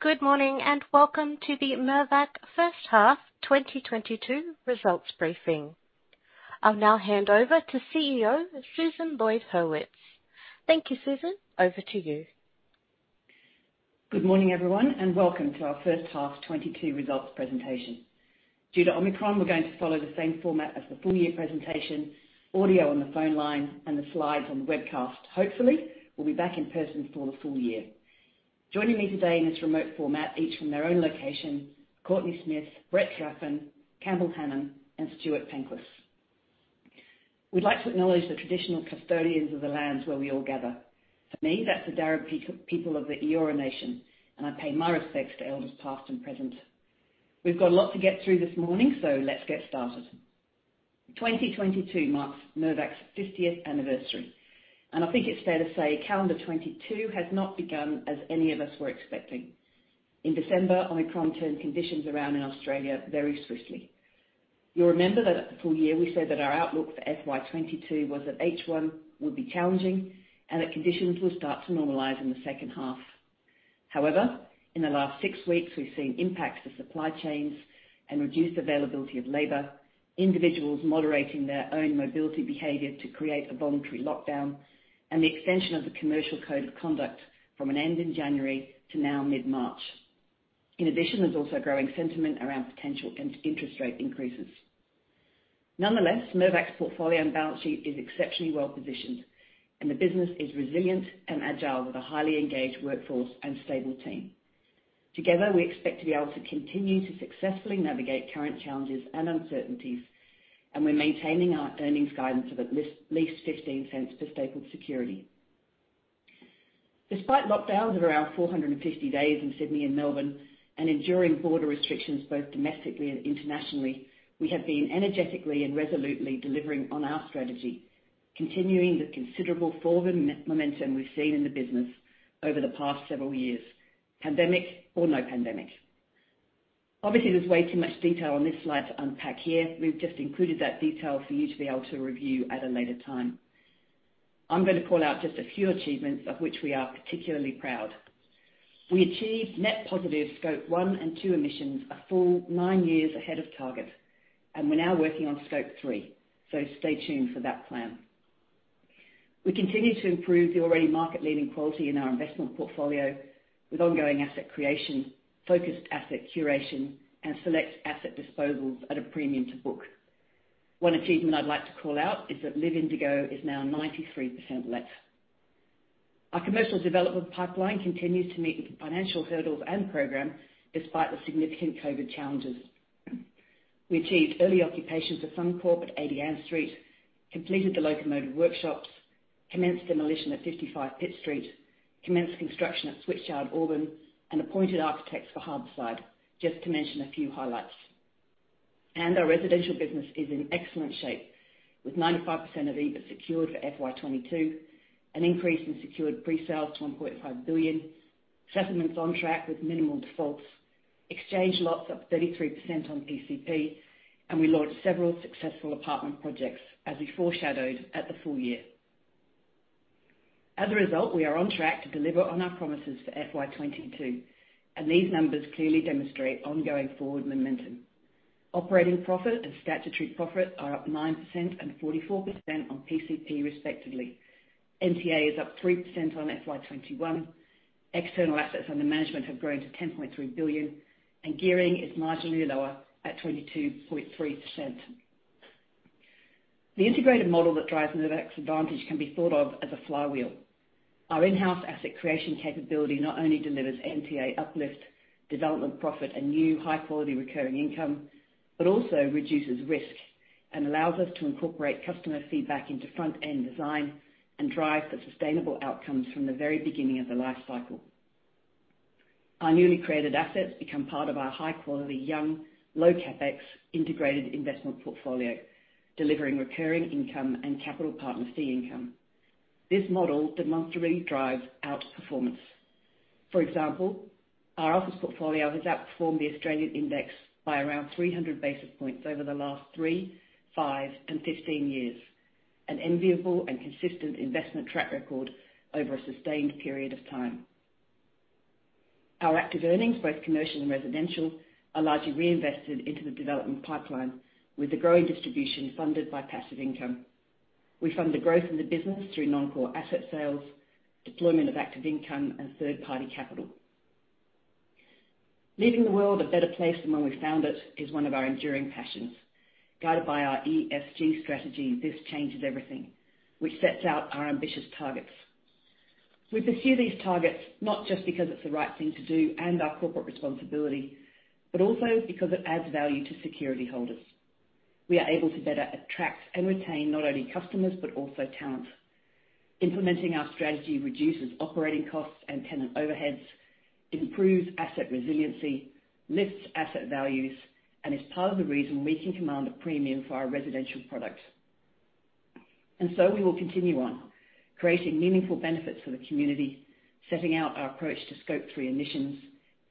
Good morning, and welcome to the Mirvac first half 2022 results briefing. I'll now hand over to CEO, Susan Lloyd-Hurwitz. Thank you, Susan. Over to you. Good morning, everyone, and welcome to our first half 2022 results presentation. Due to Omicron, we're going to follow the same format as the full year presentation, audio on the phone line and the slides on the webcast. Hopefully, we'll be back in person for the full year. Joining me today in this remote format, each from their own location, Courtney Smith, Brett Draffen, Campbell Hanan, and Stuart Penklis. We'd like to acknowledge the traditional custodians of the lands where we all gather. For me, that's the Darug people of the Eora Nation, and I pay my respects to elders past and present. We've got a lot to get through this morning, so let's get started. 2022 marks Mirvac's 50th anniversary, and I think it's fair to say calendar 2022 has not begun as any of us were expecting. In December, Omicron turned conditions around in Australia very swiftly. You'll remember that at the full year we said that our outlook for FY 2022 was that H1 would be challenging and that conditions will start to normalize in the second half. However, in the last six weeks, we've seen impacts to supply chains and reduced availability of labor, individuals moderating their own mobility behavior to create a voluntary lockdown, and the extension of the Commercial Code of Conduct from an end in January to now mid-March. In addition, there's also a growing sentiment around potential interest-rate increases. Nonetheless, Mirvac's portfolio and balance sheet is exceptionally well-positioned, and the business is resilient and agile with a highly engaged workforce and stable team. Together, we expect to be able to continue to successfully navigate current challenges and uncertainties, and we're maintaining our earnings guidance of at least 15 cents per stapled security. Despite lockdowns of around 450 days in Sydney and Melbourne and enduring border restrictions both domestically and internationally, we have been energetically and resolutely delivering on our strategy, continuing the considerable forward momentum we've seen in the business over the past several years, pandemic or no pandemic. Obviously, there's way too much detail on this slide to unpack here. We've just included that detail for you to be able to review at a later time. I'm gonna call out just a few achievements of which we are particularly proud. We achieved net positive scope one and emissions a full nine years ahead of target, and we're now working on scope three. Stay tuned for that plan. We continue to improve the already market-leading quality in our investment portfolio with ongoing asset creation, focused asset curation, and select asset disposals at a premium to book. One achievement I'd like to call out is that LIV Indigo is now 93% let. Our commercial development pipeline continues to meet the financial hurdles and program despite the significant COVID challenges. We achieved early occupations of Suncorp at 80 Ann Street, completed the Locomotive Workshop, commenced demolition at 55 Pitt Street, commenced construction at Switchyard, Auburn, and appointed architects for Harbourside, just to mention a few highlights. Our residential business is in excellent shape with 95% of EPAs secured for FY 2022, an increase in secured pre-sales to 1.5 billion, settlements on track with minimal defaults, exchange lots up 33% on PCP, and we launched several successful apartment projects as we foreshadowed at the full year. As a result, we are on track to deliver on our promises for FY 2022, and these numbers clearly demonstrate ongoing forward momentum. Operating profit and statutory profit are up 9% and 44% on PCP, respectively. NTA is up 3% on FY 2021. External assets under management have grown to 10.3 billion, and gearing is marginally lower at 22.3%. The integrated model that drives Mirvac's advantage can be thought of as a flywheel. Our in-house asset creation capability not only delivers NTA uplift, development profit, and new high-quality recurring income, but also reduces risk and allows us to incorporate customer feedback into front-end design and drive the sustainable outcomes from the very beginning of the life cycle. Our newly created assets become part of our high-quality, young, low CapEx integrated investment portfolio, delivering recurring income and capital partner fee income. This model demonstrably drives outperformance. For example, our office portfolio has outperformed the Australian index by around 300 basis points over the last three, five, and 15 years, an enviable and consistent investment track record over a sustained period of time. Our active earnings, both commercial and residential, are largely reinvested into the development pipeline with the growing distribution funded by passive income. We fund the growth in the business through non-core asset sales, deployment of active income, and third-party capital. Leaving the world a better place than when we found it is one of our enduring passions, guided by our ESG strategy, This Changes Everything, which sets out our ambitious targets. We pursue these targets not just because it's the right thing to do and our corporate responsibility, but also because it adds value to security holders. We are able to better attract and retain not only customers but also talent. Implementing our strategy reduces operating costs and tenant overheads, improves asset resiliency, lifts asset values, and is part of the reason we can command a premium for our residential products. We will continue on creating meaningful benefits for the community, setting out our approach to scope three emissions,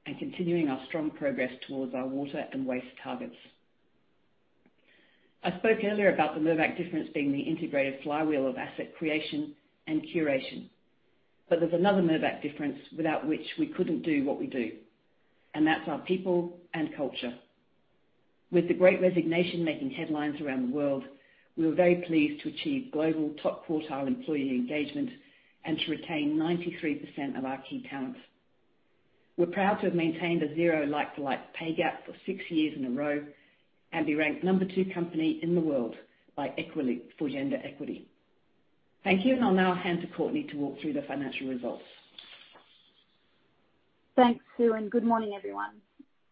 and continuing our strong progress towards our water and waste targets. I spoke earlier about the Mirvac difference being the integrated flywheel of asset creation and curation. There's another Mirvac difference without which we couldn't do what we do, and that's our people and culture. With the great resignation making headlines around the world, we were very pleased to achieve global top-quartile employee engagement and to retain 93% of our key talents. We're proud to have maintained a zero like-for-like pay gap for six years in a row and be ranked number two company in the world by Equileap for gender equity. Thank you, and I'll now hand to Courtney to walk through the financial results. Thanks, Sue, and good morning, everyone.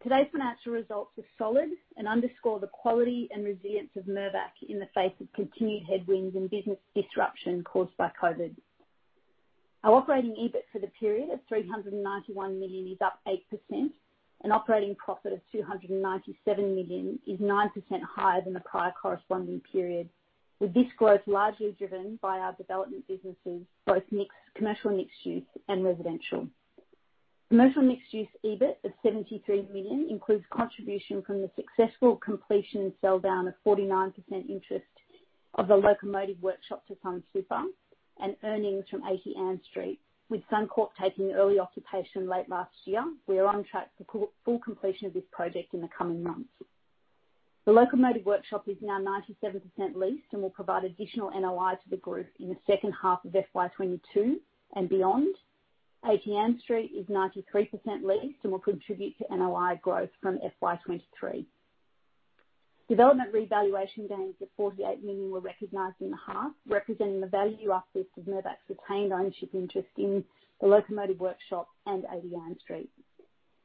Today's financial results are solid and underscore the quality and resilience of Mirvac in the face of continued headwinds and business disruption caused by COVID. Our operating EBIT for the period of 391 million is up 8% and operating profit of 297 million is 9% higher than the prior corresponding period, with this growth largely driven by our development businesses, both commercial mixed use and residential. Commercial mixed use EBIT of 73 million includes contribution from the successful completion and sell-down of 49% interest of the Locomotive Workshop to Sunsuper and earnings from 80 Ann Street. With Suncorp taking early occupation late last year, we are on track for full completion of this project in the coming months. The Locomotive Workshop is now 97% leased and will provide additional NOI to the group in the second half of FY 2022 and beyond. 80 Ann Street is 93% leased and will contribute to NOI growth from FY 2023. Development revaluation gains of 48 million were recognized in the half, representing the value uplift of Mirvac's retained ownership interest in the Locomotive Workshop and 80 Ann Street.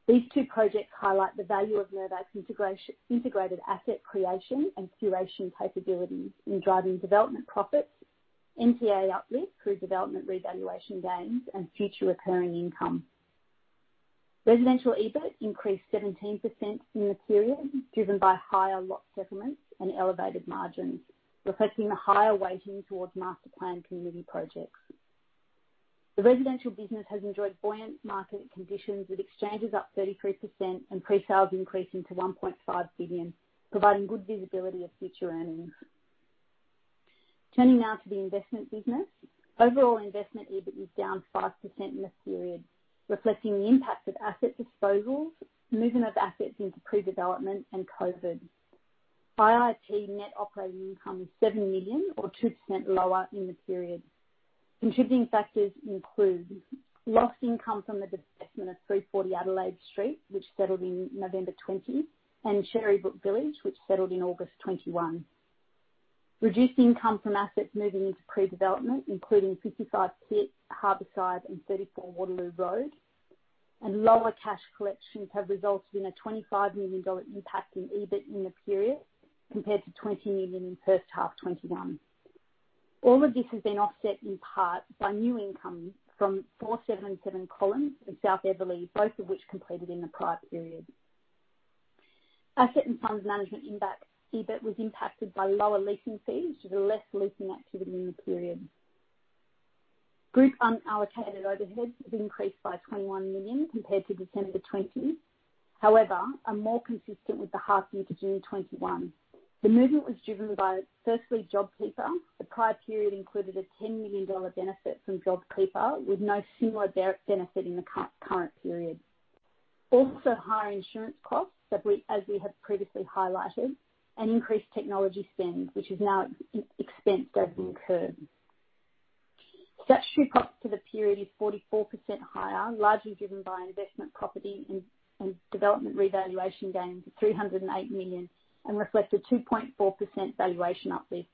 These two projects highlight the value of Mirvac's integrated asset creation and curation capabilities in driving development profits, NTA uplift through development revaluation gains, and future recurring income. Residential EBIT increased 17% in the period, driven by higher lot settlements and elevated margins, reflecting the higher weighting towards master planned community projects. The residential business has enjoyed buoyant market conditions, with exchanges up 33% and pre-sales increasing to 1.5 billion, providing good visibility of future earnings. Turning now to the investment business. Overall investment EBIT is down 5% in this period, reflecting the impact of asset disposals, movement of assets into pre-development, and COVID. IIP net operating income is 7 million or 2% lower in the period. Contributing factors include lost income from the divestment of 340 Adelaide Street, which settled in November 2020, and Cherrybrook Village, which settled in August 2021. Reduced income from assets moving into pre-development, including 55 Pitt, Harbourside, and 34 Waterloo Road. Lower cash collections have resulted in a 25 million dollar impact in EBIT in the period, compared to 20 million in first half 2021. All of this has been offset in part by new income from 477 Collins and South Eveleigh, both of which completed in the prior period. Asset and funds management in that EBIT was impacted by lower leasing fees due to less leasing activity in the period. Group unallocated overheads have increased by 21 million compared to December 2020, however, are more consistent with the half-year to June 2021. The movement was driven by, firstly, JobKeeper. The prior period included a 10 million dollar benefit from JobKeeper, with no similar benefit in the current period. Also, higher insurance costs that we, as we have previously highlighted, and increased technology spend, which is now expense as incurred. Statutory cost for the period is 44% higher, largely driven by investment property and development revaluation gains of 308 million, and reflects a 2.4% valuation uplift.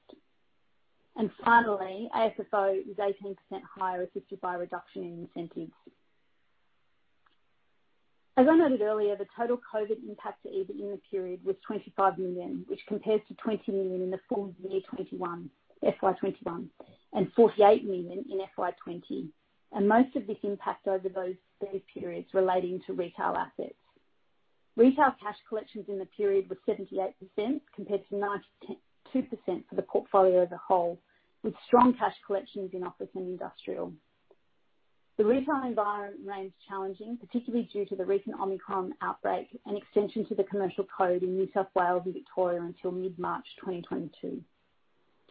Finally, AFFO is 18% higher at AUD 50 million by a reduction in incentives. As I noted earlier, the total COVID impact to EBIT in the period was 25 million, which compares to 20 million in the full year 2021, FY 2021, and 48 million in FY 2020. Most of this impact over those periods relating to retail assets. Retail cash collections in the period were 78%, compared to 92% for the portfolio as a whole, with strong cash collections in office and industrial. The retail environment remains challenging, particularly due to the recent Omicron outbreak and extension to the commercial code in New South Wales and Victoria until mid-March 2022.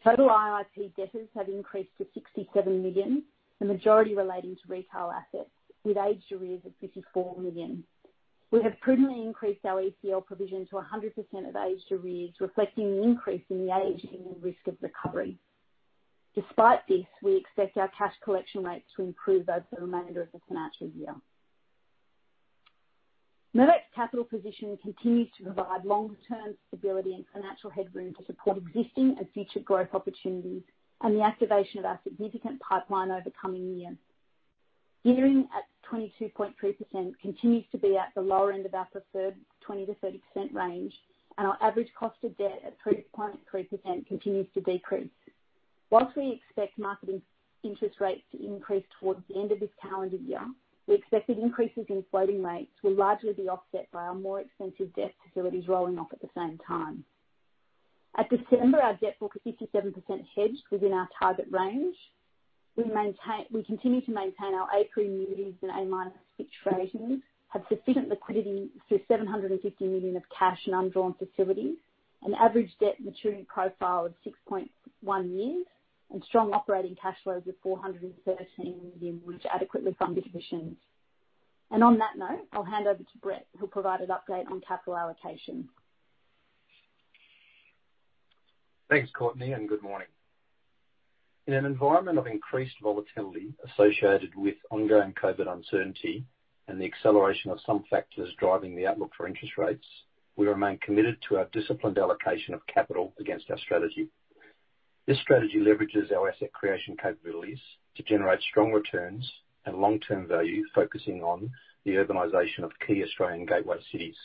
Total IIP debtors have increased to 67 million, the majority relating to retail assets, with aged arrears of 54 million. We have prudently increased our ECL provision to 100% of aged arrears, reflecting the increase in the age and the risk of recovery. Despite this, we expect our cash collection rates to improve over the remainder of the financial year. Mirvac's capital position continues to provide longer-term stability and financial headroom to support existing and future growth opportunities and the activation of our significant pipeline over coming years. Gearing at 22.3% continues to be at the lower end of our preferred 20%-30% range, and our average cost of debt at 3.3% continues to decrease. While we expect market interest rates to increase towards the end of this calendar year, we expect that increases in floating rates will largely be offset by our more expensive debt facilities rolling off at the same time. At December, our debt book is 57% hedged within our target range. We continue to maintain our A+ RE ratings and A- Fitch ratings, have significant liquidity through 750 million in cash and undrawn facilities, an average debt maturity profile of 6.1 years, and strong operating cash flows of 413 million, which adequately fund divisions. On that note, I'll hand over to Brett, who'll provide an update on capital allocation. Thanks, Courtney, and good morning. In an environment of increased volatility associated with ongoing COVID uncertainty and the acceleration of some factors driving the outlook for interest rates, we remain committed to our disciplined allocation of capital against our strategy. This strategy leverages our asset creation capabilities to generate strong returns and long-term value, focusing on the urbanization of key Australian gateway cities.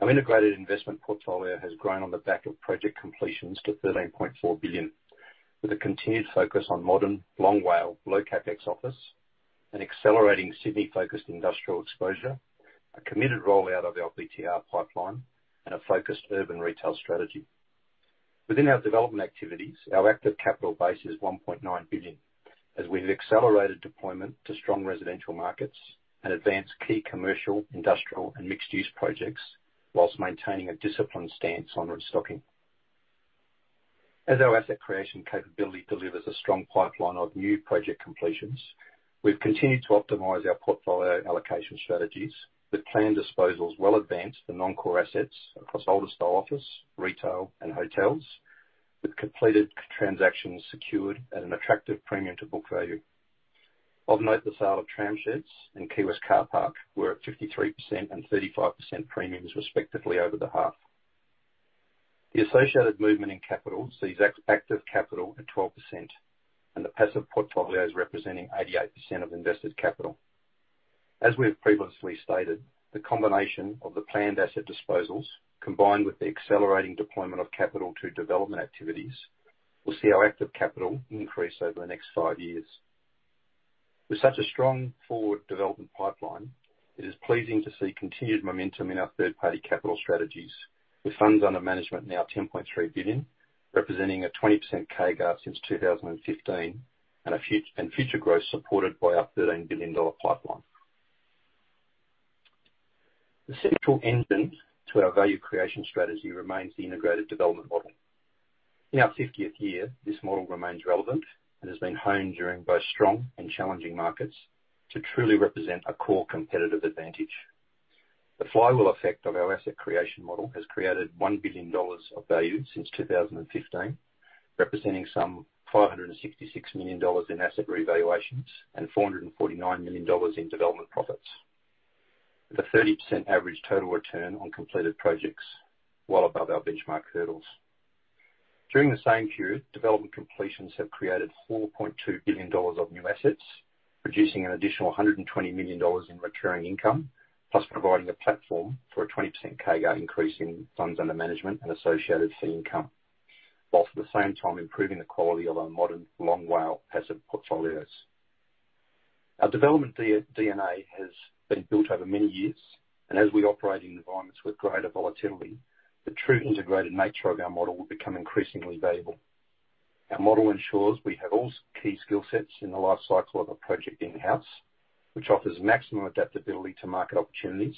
Our integrated investment portfolio has grown on the back of project completions to 13.4 billion, with a continued focus on modern, long-WALE, low CapEx office and accelerating Sydney-focused industrial exposure, a committed rollout of our BTR pipeline, and a focused urban retail strategy. Within our development activities, our active capital base is 1.9 billion as we've accelerated deployment to strong residential markets and advanced key commercial, industrial, and mixed-use projects while maintaining a disciplined stance on restocking. As our asset creation capability delivers a strong pipeline of new project completions, we've continued to optimize our portfolio allocation strategies with planned disposals well advanced for non-core assets across older-style office, retail, and hotels, with completed transactions secured at an attractive premium to book value. Of note, the sale of Tramsheds and Quay West Car Park were at 53% and 35% premiums respectively over the half. The associated movement in capital sees active capital at 12% and the passive portfolios representing 88% of invested capital. As we have previously stated, the combination of the planned asset disposals combined with the accelerating deployment of capital to development activities will see our active capital increase over the next five years. With such a strong forward development pipeline, it is pleasing to see continued momentum in our third-party capital strategies, with funds under management now 10.3 billion, representing a 20% CAGR since 2015, and future growth supported by our AUD 13 billion pipeline. The central engine to our value creation strategy remains the integrated development model. In our 50th year, this model remains relevant and has been honed during both strong and challenging markets to truly represent a core competitive advantage. The flywheel effect of our asset creation model has created 1 billion dollars of value since 2015, representing some 566 million dollars in asset revaluations and 449 million dollars in development profits, with a 30% average total return on completed projects, well above our benchmark hurdles. During the same period, development completions have created 4.2 billion dollars of new assets, producing an additional 120 million dollars in recurring income, plus providing a platform for a 20% CAGR increase in funds under management and associated fee income, while at the same time improving the quality of our modern long-WALE passive portfolios. Our development DNA has been built over many years, and as we operate in environments with greater volatility, the true integrated nature of our model will become increasingly valuable. Our model ensures we have all key skill sets in the life cycle of a project in-house, which offers maximum adaptability to market opportunities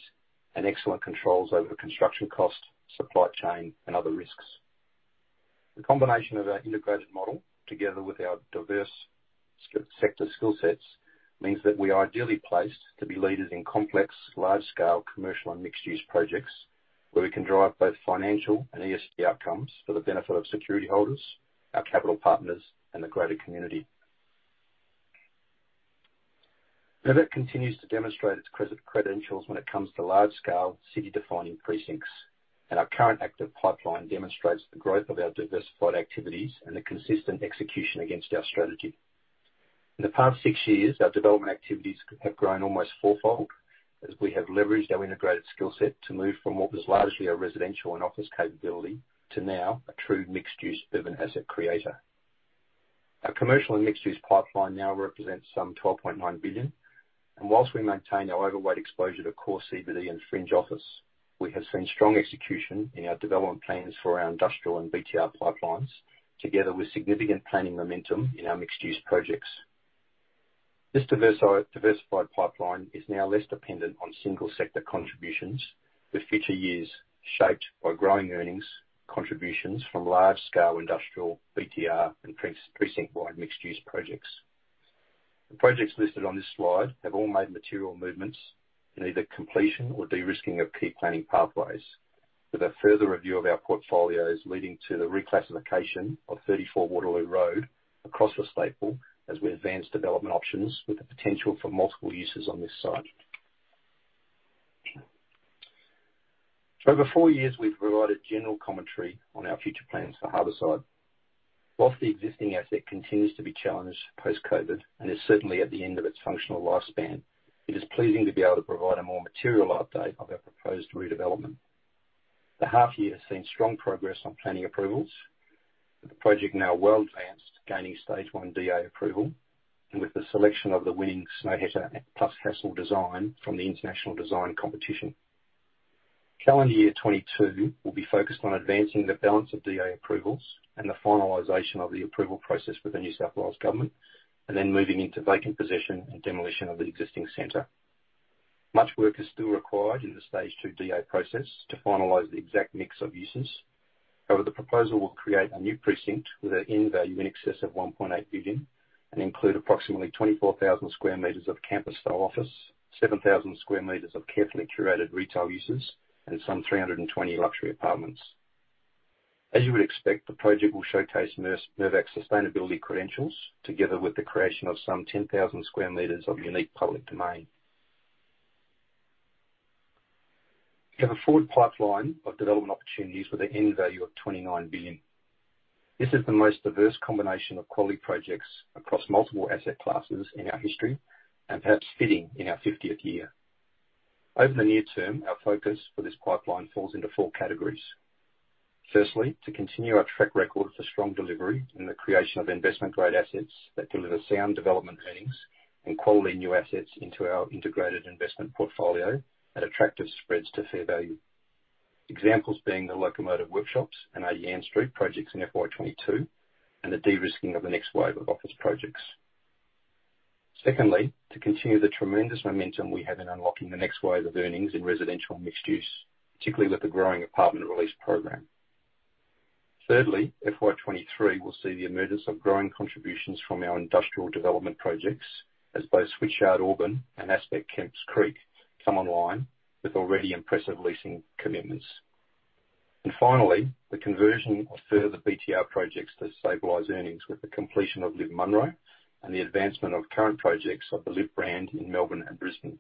and excellent controls over construction cost, supply chain, and other risks. The combination of our integrated model together with our diverse sector skill sets means that we are ideally placed to be leaders in complex, large-scale commercial and mixed-use projects where we can drive both financial and ESG outcomes for the benefit of security holders, our capital partners, and the greater community. Mirvac continues to demonstrate its credentials when it comes to large-scale city-defining precincts, and our current active pipeline demonstrates the growth of our diversified activities and the consistent execution against our strategy. In the past six years, our development activities have grown almost four-fold as we have leveraged our integrated skill set to move from what was largely a residential and office capability to now a true mixed-use urban asset creator. Our commercial and mixed-use pipeline now represents some 12.9 billion, and while we maintain our overweight exposure to core CBD and fringe office. We have seen strong execution in our development plans for our industrial and BTR pipelines, together with significant planning momentum in our mixed-use projects. This diversified pipeline is now less dependent on single sector contributions, with future years shaped by growing earnings contributions from large-scale industrial, BTR, and precinct-wide mixed-use projects. The projects listed on this slide have all made material movements in either completion or de-risking of key planning pathways. With a further review of our portfolios leading to the reclassification of 34 Waterloo Road across the staple as we advance development options with the potential for multiple uses on this site. For over four years, we've provided general commentary on our future plans for Harbourside. While the existing asset continues to be challenged post-COVID and is certainly at the end of its functional lifespan. It is pleasing to be able to provide a more material update of our proposed redevelopment. The half year has seen strong progress on planning approvals, with the project now well advanced, gaining stage one DA approval and with the selection of the winning Snøhetta+Hassell design from the international design competition. Calendar year 2022 will be focused on advancing the balance of DA approvals and the finalization of the approval process with the New South Wales government, and then moving into vacant possession and demolition of the existing center. Much work is still required in the stage two DA process to finalize the exact mix of uses. However, the proposal will create a new precinct with an end value in excess of 1.8 billion, and include approximately 24,000 sq m of campus style office, 7,000 sq m of carefully curated retail uses, and some 320 luxury apartments. As you would expect, the project will showcase Mirvac's sustainability credentials together with the creation of some 10,000 sq m of unique public domain. We have a forward pipeline of development opportunities with an end value of 29 billion. This is the most diverse combination of quality projects across multiple asset classes in our history and perhaps fitting in our fiftieth year. Over the near term, our focus for this pipeline falls into four categories. Firstly, to continue our track record for strong delivery in the creation of investment grade assets that deliver sound development earnings and quality new assets into our integrated investment portfolio at attractive spreads to fair value. Examples being the Locomotive Workshops and our Ann Street projects in FY 2022, and the de-risking of the next wave of office projects. Secondly, to continue the tremendous momentum we have in unlocking the next wave of earnings in residential mixed use, particularly with the growing apartment release program. Thirdly, FY 2023 will see the emergence of growing contributions from our industrial development projects as both Switchyard Auburn and Aspect Kemps Creek come online with already impressive leasing commitments. Finally, the conversion of further BTR projects to stabilize earnings with the completion of LIV Munro and the advancement of current projects of the LIV brand in Melbourne and Brisbane.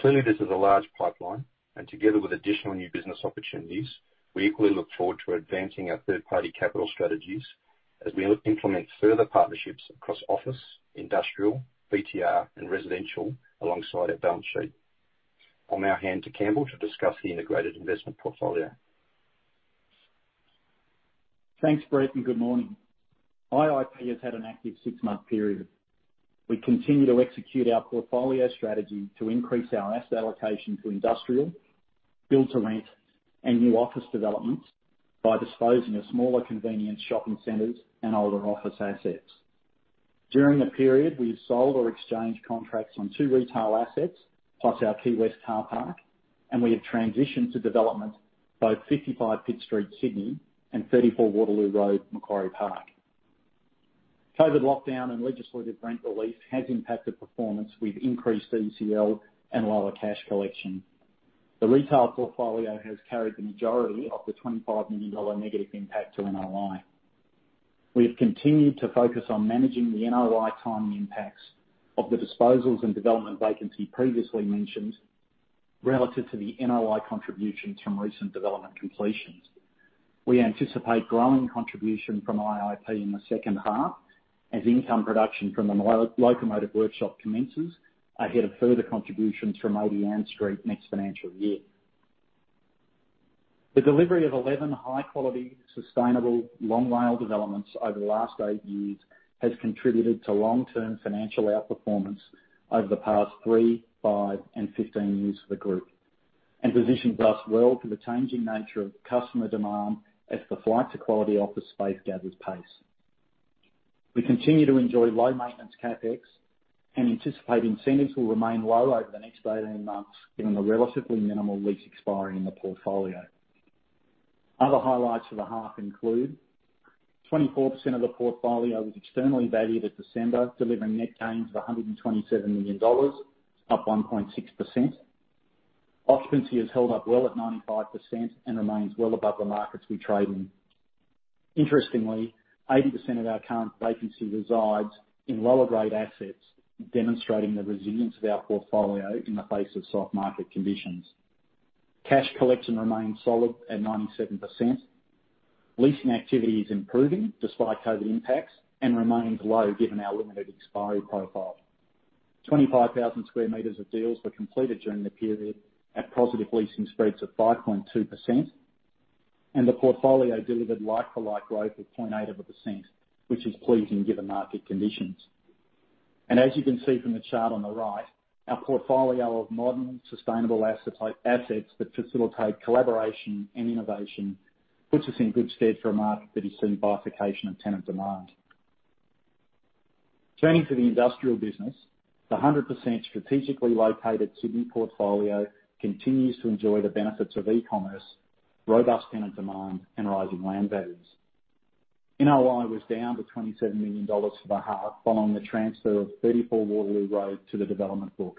Clearly, this is a large pipeline, and together with additional new business opportunities, we equally look forward to advancing our third-party capital strategies as we implement further partnerships across office, industrial, BTR, and residential, alongside our balance sheet. I'll now hand to Campbell to discuss the integrated investment portfolio. Thanks, Brett, and good morning. IIP has had an active six-month period. We continue to execute our portfolio strategy to increase our asset allocation to industrial, build-to-rent, and new office developments by disposing of smaller convenience shopping centers and older office assets. During the period, we have sold or exchanged contracts on two retail assets, plus our Quay West Car Park, and we have transitioned to development both 55 Pitt Street, Sydney, and 34 Waterloo Road, Macquarie Park. COVID lockdown and legislative rent relief has impacted performance with increased ECL and lower cash collection. The retail portfolio has carried the majority of the 25 million dollar negative impact to NOI. We have continued to focus on managing the NOI timing impacts of the disposals and development vacancy previously mentioned, relative to the NOI contributions from recent development completions. We anticipate growing contribution from IIP in the second half as income production from the Locomotive Workshop commences ahead of further contributions from 80 Ann Street next financial year. The delivery of 11 high quality, sustainable, long-WALE developments over the last eight years has contributed to long-term financial outperformance over the past three, five, and 15 years for the group and positions us well for the changing nature of customer demand as the flight to quality office space gathers pace. We continue to enjoy low maintenance CapEx and anticipate incentives will remain low over the next 18 months, given the relatively minimal lease expiry in the portfolio. Other highlights for the half include 24% of the portfolio was externally valued at December, delivering net gains of 127 million dollars, up 1.6%. Occupancy has held up well at 95% and remains well above the markets we trade in. Interestingly, 80% of our current vacancy resides in lower grade assets, demonstrating the resilience of our portfolio in the face of soft market conditions. Cash collection remains solid at 97%. Leasing activity is improving despite COVID impacts and remains low given our limited expiry profile. 25,000 sq m of deals were completed during the period at positive leasing spreads of 5.2%. The portfolio delivered like-for-like growth of 0.8%, which is pleasing given market conditions. As you can see from the chart on the right, our portfolio of modern, sustainable assets that facilitate collaboration and innovation puts us in good stead for a market that has seen bifurcation of tenant demand. Turning to the industrial business, the 100% strategically located Sydney portfolio continues to enjoy the benefits of e-commerce, robust tenant demand, and rising land values. NOI was down to 27 million dollars for the half following the transfer of 34 Waterloo Road to the development book.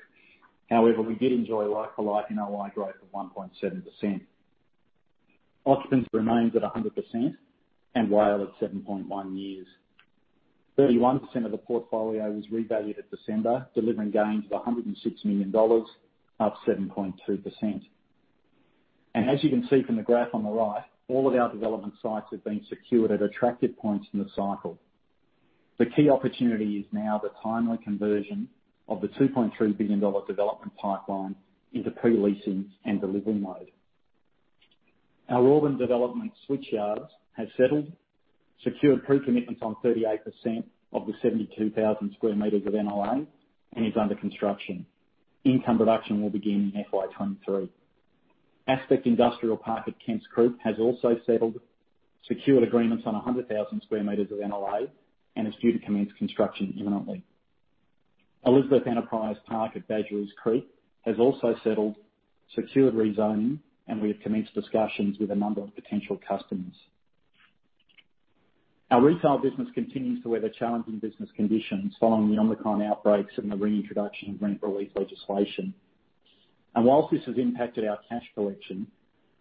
However, we did enjoy like-for-like NOI growth of 1.7%. Occupancy remains at 100% and WALE at 7.1 years. 31% of the portfolio was revalued at December, delivering gains of 106 million dollars, up 7.2%. As you can see from the graph on the right, all of our development sites have been secured at attractive points in the cycle. The key opportunity is now the timely conversion of the 2.3 billion dollar development pipeline into pre-leasing and delivery mode. Our Auburn development Switchyard has settled, secured pre-commitments on 38% of the 72,000 sq m of NLA, and is under construction. Income production will begin in FY 2023. Aspect Industrial Park at Kemps Creek has also settled, secured agreements on 100,000 sq m of NLA, and is due to commence construction imminently. Elizabeth Enterprise Precinct at Badgerys Creek has also settled, secured rezoning, and we have commenced discussions with a number of potential customers. Our retail business continues to weather challenging business conditions following the Omicron outbreaks and the reintroduction of rent relief legislation. Whilst this has impacted our cash collection,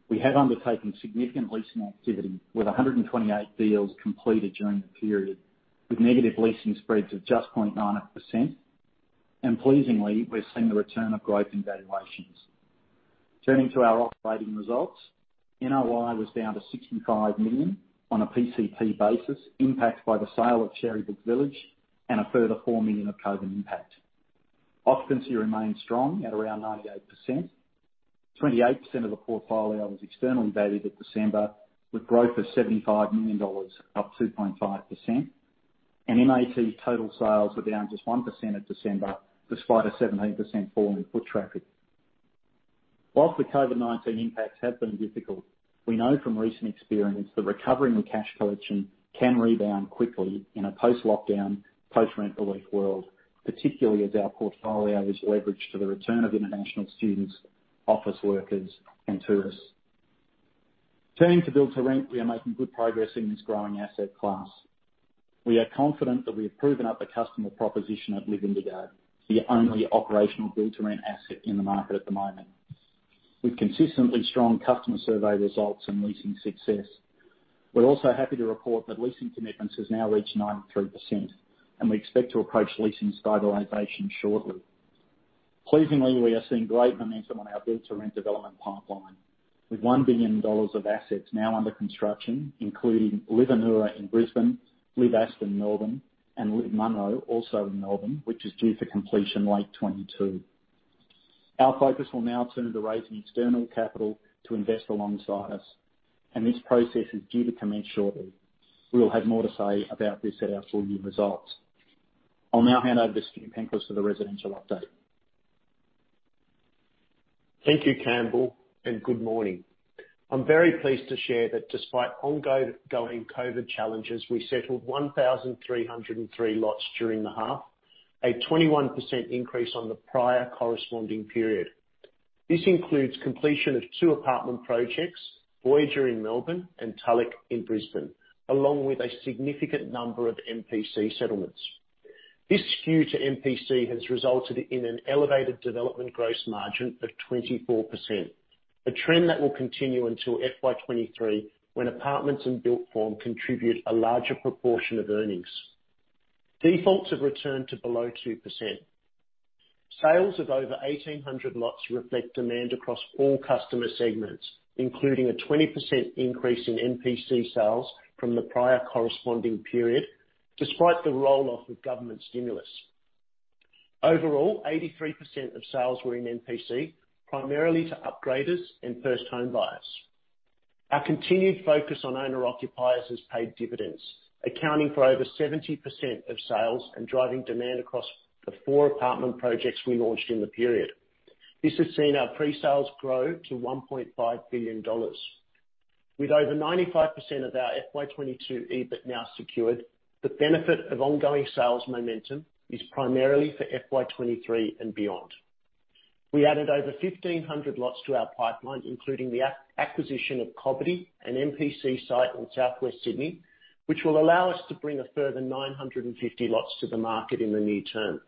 we have undertaken significant leasing activity with 128 deals completed during the period, with negative leasing spreads of just 0.98%. Pleasingly, we're seeing the return of growth and valuations. Turning to our operating results, NOI was down 65 million on a PCP basis, impacted by the sale of Cherrybrook Village and a further 4 million of COVID impact. Occupancy remains strong at around 98%. 28% of the portfolio was externally valued at December, with growth of AUD 75 million, up 2.5%. MAT total sales were down just 1% at December, despite a 17% fall in foot traffic. While the COVID-19 impacts have been difficult, we know from recent experience that recovering the cash collection can rebound quickly in a post-lockdown, post-rent relief world, particularly as our portfolio is leveraged to the return of international students, office workers, and tourists. Turning to build-to-rent, we are making good progress in this growing asset class. We are confident that we have proven up the customer proposition at LIV Indigo, the only operational build-to-rent asset in the market at the moment. With consistently strong customer survey results and leasing success, we're also happy to report that leasing commitments has now reached 93%, and we expect to approach leasing stabilization shortly. Pleasingly, we are seeing great momentum on our build-to-rent development pipeline, with 1 billion dollars of assets now under construction, including LIV Anura in Brisbane, LIV Aston in Melbourne, and LIV Munro also in Melbourne, which is due for completion late 2022. Our focus will now turn to raising external capital to invest alongside us, and this process is due to commence shortly. We'll have more to say about this at our full year results. I'll now hand over to Stuart Penklis for the residential update. Thank you, Campbell Hanan, and good morning. I'm very pleased to share that despite ongoing COVID challenges, we settled 1,303 lots during the half, a 21% increase on the prior corresponding period. This includes completion of two apartment projects, Voyager in Melbourne and Tulloch in Brisbane, along with a significant number of MPC settlements. This skew to MPC has resulted in an elevated development gross margin of 24%, a trend that will continue until FY 2023, when apartments and built form contribute a larger proportion of earnings. Defaults have returned to below 2%. Sales of over 1,800 lots reflect demand across all customer segments, including a 20% increase in MPC sales from the prior corresponding period, despite the roll-off of government stimulus. Overall, 83% of sales were in MPC, primarily to upgraders and first home buyers. Our continued focus on owner-occupiers has paid dividends, accounting for over 70% of sales and driving demand across the four apartment projects we launched in the period. This has seen our pre-sales grow to 1.5 billion dollars. With over 95% of our FY 2022 EBIT now secured, the benefit of ongoing sales momentum is primarily for FY 2023 and beyond. We added over 1,500 lots to our pipeline, including the acquisition of Cobbitty, an MPC site in southwest Sydney, which will allow us to bring a further 950 lots to the market in the near term.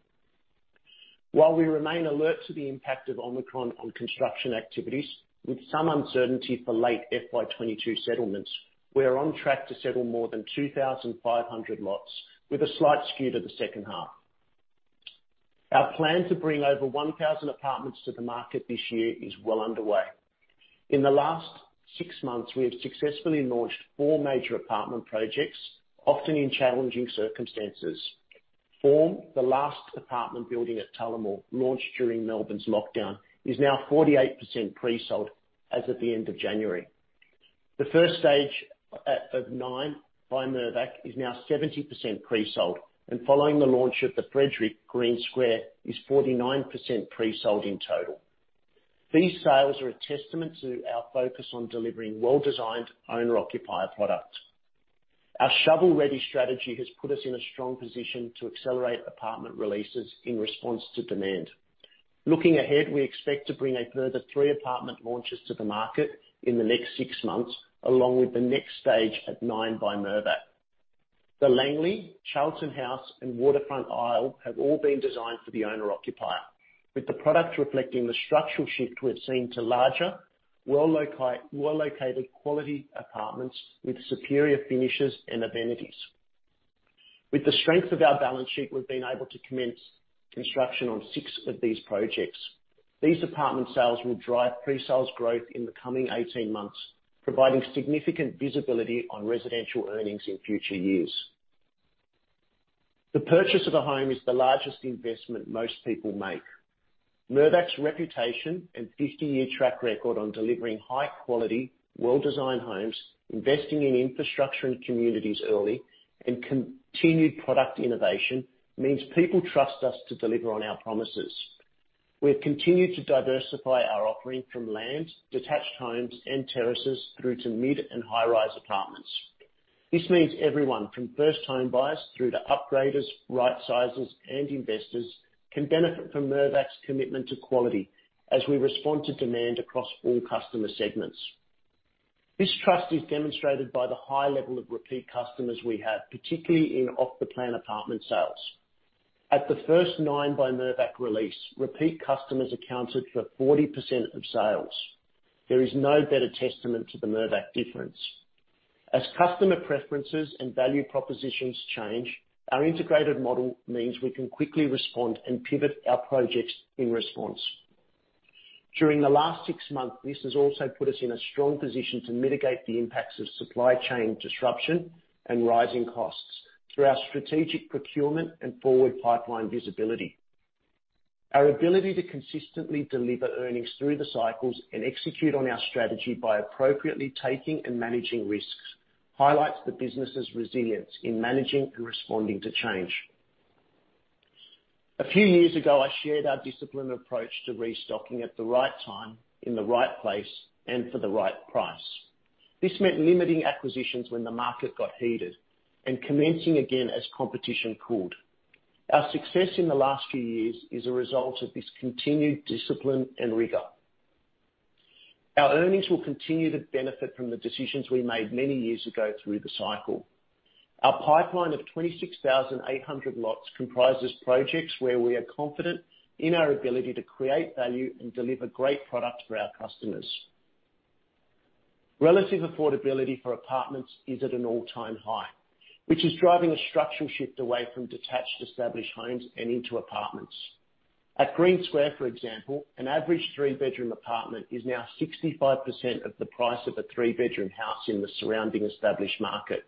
While we remain alert to the impact of Omicron on construction activities, with some uncertainty for late FY 2022 settlements, we are on track to settle more than 2,500 lots with a slight skew to the second half. Our plan to bring over 1,000 apartments to the market this year is well underway. In the last six months, we have successfully launched four major apartment projects, often in challenging circumstances. Forme, the last apartment building at Tullamore, launched during Melbourne's lockdown, is now 48% pre-sold as at the end of January. The first stage of NINE by Mirvac is now 70% pre-sold. Following the launch of The Frederick, Green Square is 49% pre-sold in total. These sales are a testament to our focus on delivering well-designed owner-occupier product. Our shovel-ready strategy has put us in a strong position to accelerate apartment releases in response to demand. Looking ahead, we expect to bring a further three apartment launches to the market in the next six months, along with the next stage at NINE by Mirvac. The Langley, Charlton House, and Waterfront Isle have all been designed for the owner-occupier, with the product reflecting the structural shift we've seen to larger, well located quality apartments with superior finishes and amenities. With the strength of our balance sheet, we've been able to commence construction on six of these projects. These apartment sales will drive pre-sales growth in the coming 18 months, providing significant visibility on residential earnings in future years. The purchase of a home is the largest investment most people make. Mirvac's reputation and 50-year track record on delivering high quality, well-designed homes, investing in infrastructure and communities early, and continued product innovation means people trust us to deliver on our promises. We have continued to diversify our offering from land, detached homes, and terraces through to mid and high-rise apartments. This means everyone from first-time buyers through to upgraders, right-sizers, and investors can benefit from Mirvac's commitment to quality as we respond to demand across all customer segments. This trust is demonstrated by the high level of repeat customers we have, particularly in off-the-plan apartment sales. At the first NINE by Mirvac release, repeat customers accounted for 40% of sales. There is no better testament to the Mirvac difference. As customer preferences and value propositions change, our integrated model means we can quickly respond and pivot our projects in response. During the last six months, this has also put us in a strong position to mitigate the impacts of supply chain disruption and rising costs through our strategic procurement and forward pipeline visibility. Our ability to consistently deliver earnings through the cycles and execute on our strategy by appropriately taking and managing risks highlights the business's resilience in managing and responding to change. A few years ago, I shared our disciplined approach to restocking at the right time, in the right place, and for the right price. This meant limiting acquisitions when the market got heated and commencing again as competition cooled. Our success in the last few years is a result of this continued discipline and rigor. Our earnings will continue to benefit from the decisions we made many years ago through the cycle. Our pipeline of 26,800 lots comprises projects where we are confident in our ability to create value and deliver great product for our customers. Relative affordability for apartments is at an all-time high, which is driving a structural shift away from detached established homes and into apartments. At Green Square, for example, an average three-bedroom apartment is now 65% of the price of a three-bedroom house in the surrounding established market.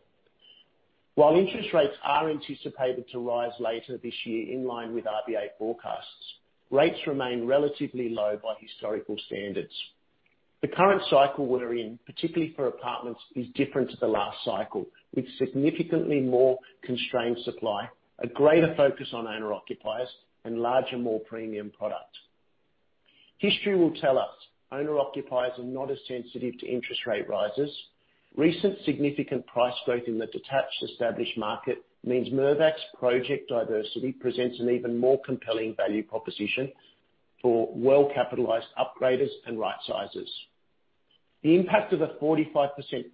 While interest rates are anticipated to rise later this year in line with RBA forecasts, rates remain relatively low by historical standards. The current cycle we're in, particularly for apartments, is different to the last cycle, with significantly more constrained supply, a greater focus on owner-occupiers, and larger, more premium product. History will tell us owner-occupiers are not as sensitive to interest rate rises. Recent significant price growth in the detached established market means Mirvac's project diversity presents an even more compelling value proposition for well-capitalized upgraders and right-sizers. The impact of a 45%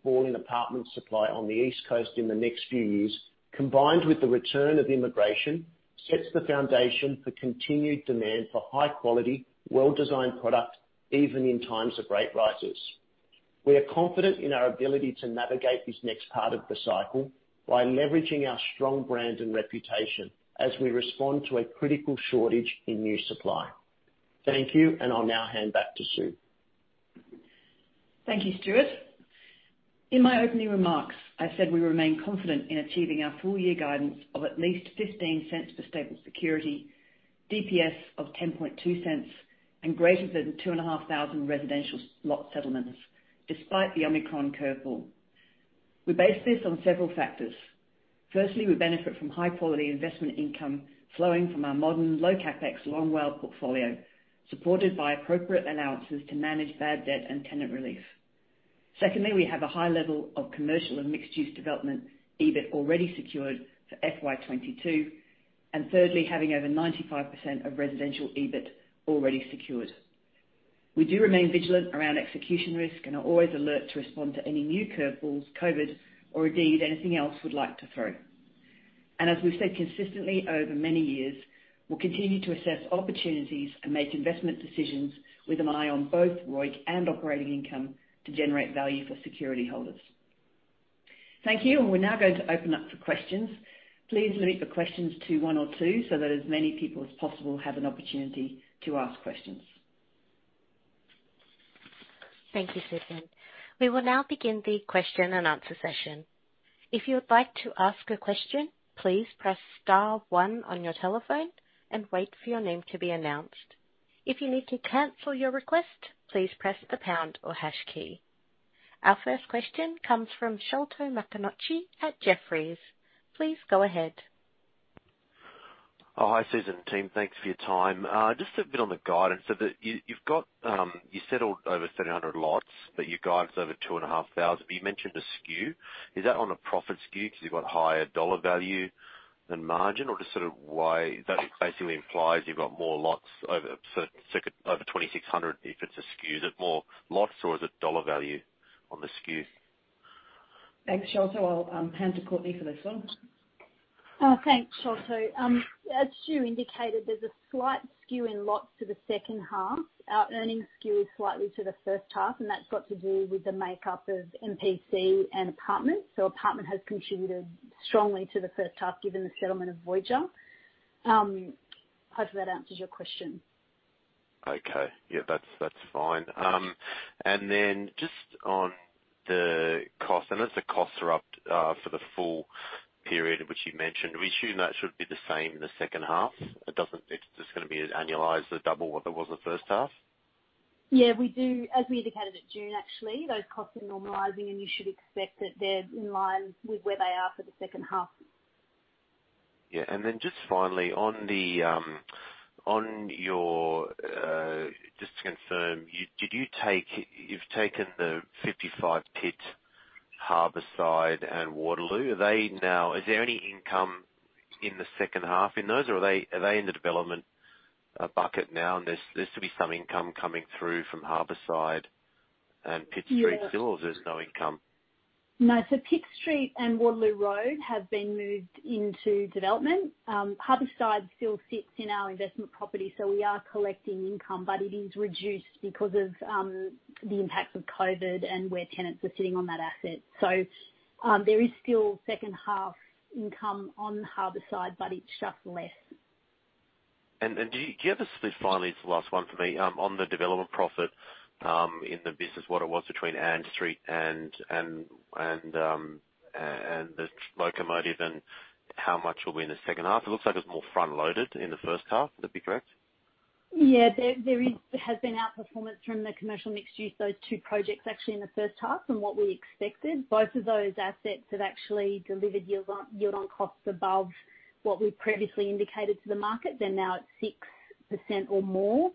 fall in apartment supply on the East Coast in the next few years, combined with the return of immigration, sets the foundation for continued demand for high quality, well-designed product, even in times of rate rises. We are confident in our ability to navigate this next part of the cycle by leveraging our strong brand and reputation as we respond to a critical shortage in new supply. Thank you, and I'll now hand back to Susan. Thank you, Stuart. In my opening remarks, I said we remain confident in achieving our full year guidance of at least 0.15 per stapled security, DPS of 0.102, and greater than 2,500 residential lot settlements despite the Omicron curveball. We base this on several factors. Firstly, we benefit from high quality investment income flowing from our modern low CapEx long-WALE portfolio, supported by appropriate allowances to manage bad debt and tenant relief. Secondly, we have a high level of commercial and mixed-use development, EBIT already secured for FY 2022. Thirdly, having over 95% of residential EBIT already secured. We do remain vigilant around execution risk and are always alert to respond to any new curveballs COVID or indeed anything else would like to throw. As we've said consistently over many years, we'll continue to assess opportunities and make investment decisions with an eye on both ROIC and operating income to generate value for security holders. Thank you, and we're now going to open up for questions. Please limit the questions to one or two so that as many people as possible have an opportunity to ask questions. Thank you, Susan. We will now begin the question and answer session. If you would like to ask a question, please press star one on your telephone and wait for your name to be announced. If you need to cancel your request, please press the pound or hash key. Our first question comes from Sholto Maconochie at Jefferies. Please go ahead. Hi, Susan, team. Thanks for your time. Just a bit on the guidance. You've got, you've settled over 300 lots, but your guide's over 2,500, but you mentioned a skew. Is that on a profit skew because you've got higher dollar value than margin, or just sort of why that basically implies you've got more lots over 2,600 if it's a skew. Is it more lots or is it dollar value on the skew? Thanks, Sholto. I'll hand to Courtney for this one. Thanks, Sholto. As Stu indicated, there's a slight skew in lots to the second half. Our earnings skew is slightly to the first half, and that's got to do with the makeup of MPC and apartments. Apartment has contributed strongly to the first half given the settlement of Voyager. Hopefully that answers your question. Okay. Yeah, that's fine. Then just on the cost, I know the costs are up for the full period, which you mentioned, we assume that should be the same in the second half. It's just gonna be annualized, double what it was the first half. Yeah, we do. As we indicated at June, actually, those costs are normalizing, and you should expect that they're in line with where they are for the second half. Just finally, on your, just to confirm, you've taken the 55 Pitt, Harbourside and Waterloo. Is there any income in the second half in those, or are they in the development bucket now, and there's to be some income coming through from Harbourside and Pitt Street still? Yeah. there's no income? No. Pitt Street and Waterloo Road have been moved into development. Harbourside still sits in our investment property, so we are collecting income, but it is reduced because of the impacts of COVID and where tenants are sitting on that asset. There is still second half income on Harbourside, but it's just less. Do you have a split? Finally, it's the last one for me. On the development profit in the business, what it was between Ann Street and the locomotive and how much will be in the second half? It looks like it's more front loaded in the first half. Would that be correct? Yeah. There has been outperformance from the commercial mixed use, those two projects actually in the first half from what we expected. Both of those assets have actually delivered yield on costs above what we previously indicated to the market. They're now at 6% or more.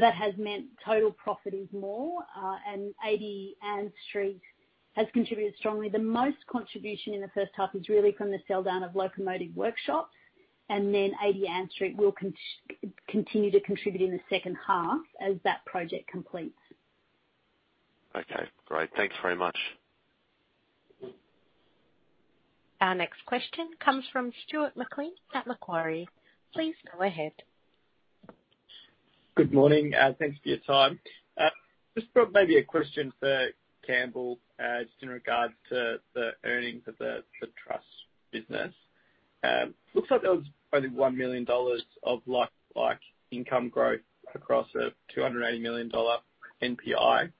That has meant total profit is more, and 80 Ann Street has contributed strongly. The most contribution in the first half is really from the sell down of Locomotive Workshop, and then 80 Ann Street will continue to contribute in the second half as that project completes. Okay, great. Thanks very much. Our next question comes from Stuart McLean at Macquarie. Please go ahead. Good morning. Thanks for your time. Just probably maybe a question for Campbell Hanan, just in regards to the earnings of the trust business. Looks like there was only 1 million dollars of like income growth across a 280 million dollar NPI.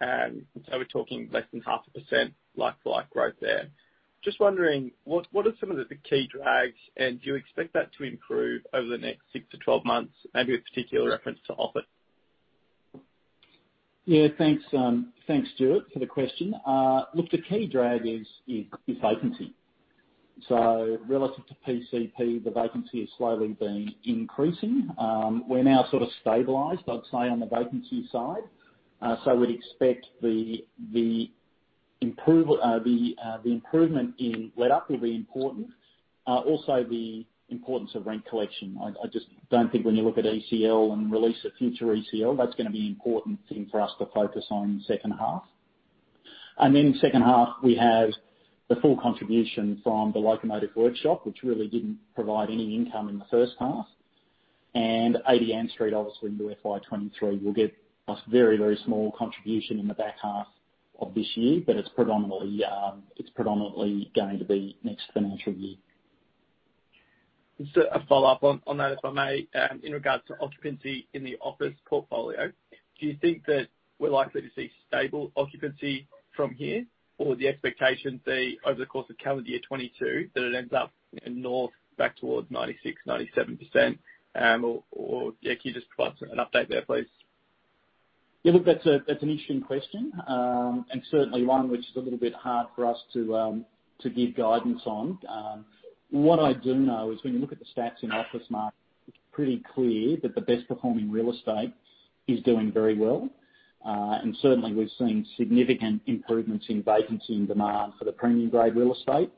So we're talking less than half a percent like growth there. Just wondering, what are some of the key drags, and do you expect that to improve over the next six to 12 months? Maybe with particular reference to office. Yeah, thanks Stuart for the question. Look, the key drag is vacancy. Relative to PCP, the vacancy has slowly been increasing. We're now sort of stabilized, I'd say, on the vacancy side. We'd expect the improvement in let up will be important. Also, the importance of rent collection. I just don't think when you look at ECL and release of future ECL, that's gonna be important thing for us to focus on second half. Second half, we have the full contribution from the Locomotive Workshop, which really didn't provide any income in the first half. 80 Ann Street obviously into FY 2023 will give us very, very small contribution in the back half of this year, but it's predominantly going to be next financial year. Just a follow up on that, if I may. In regards to occupancy in the office portfolio, do you think that we're likely to see stable occupancy from here? Or would the expectation be over the course of calendar year 2022, that it ends up north back towards 96%-97%? Or yeah, can you just provide an update there, please? Yeah, look, that's an interesting question, and certainly one which is a little bit hard for us to give guidance on. What I do know is when you look at the stats in office market, it's pretty clear that the best performing real estate is doing very well. Certainly we've seen significant improvements in vacancy and demand for the premium grade real estate.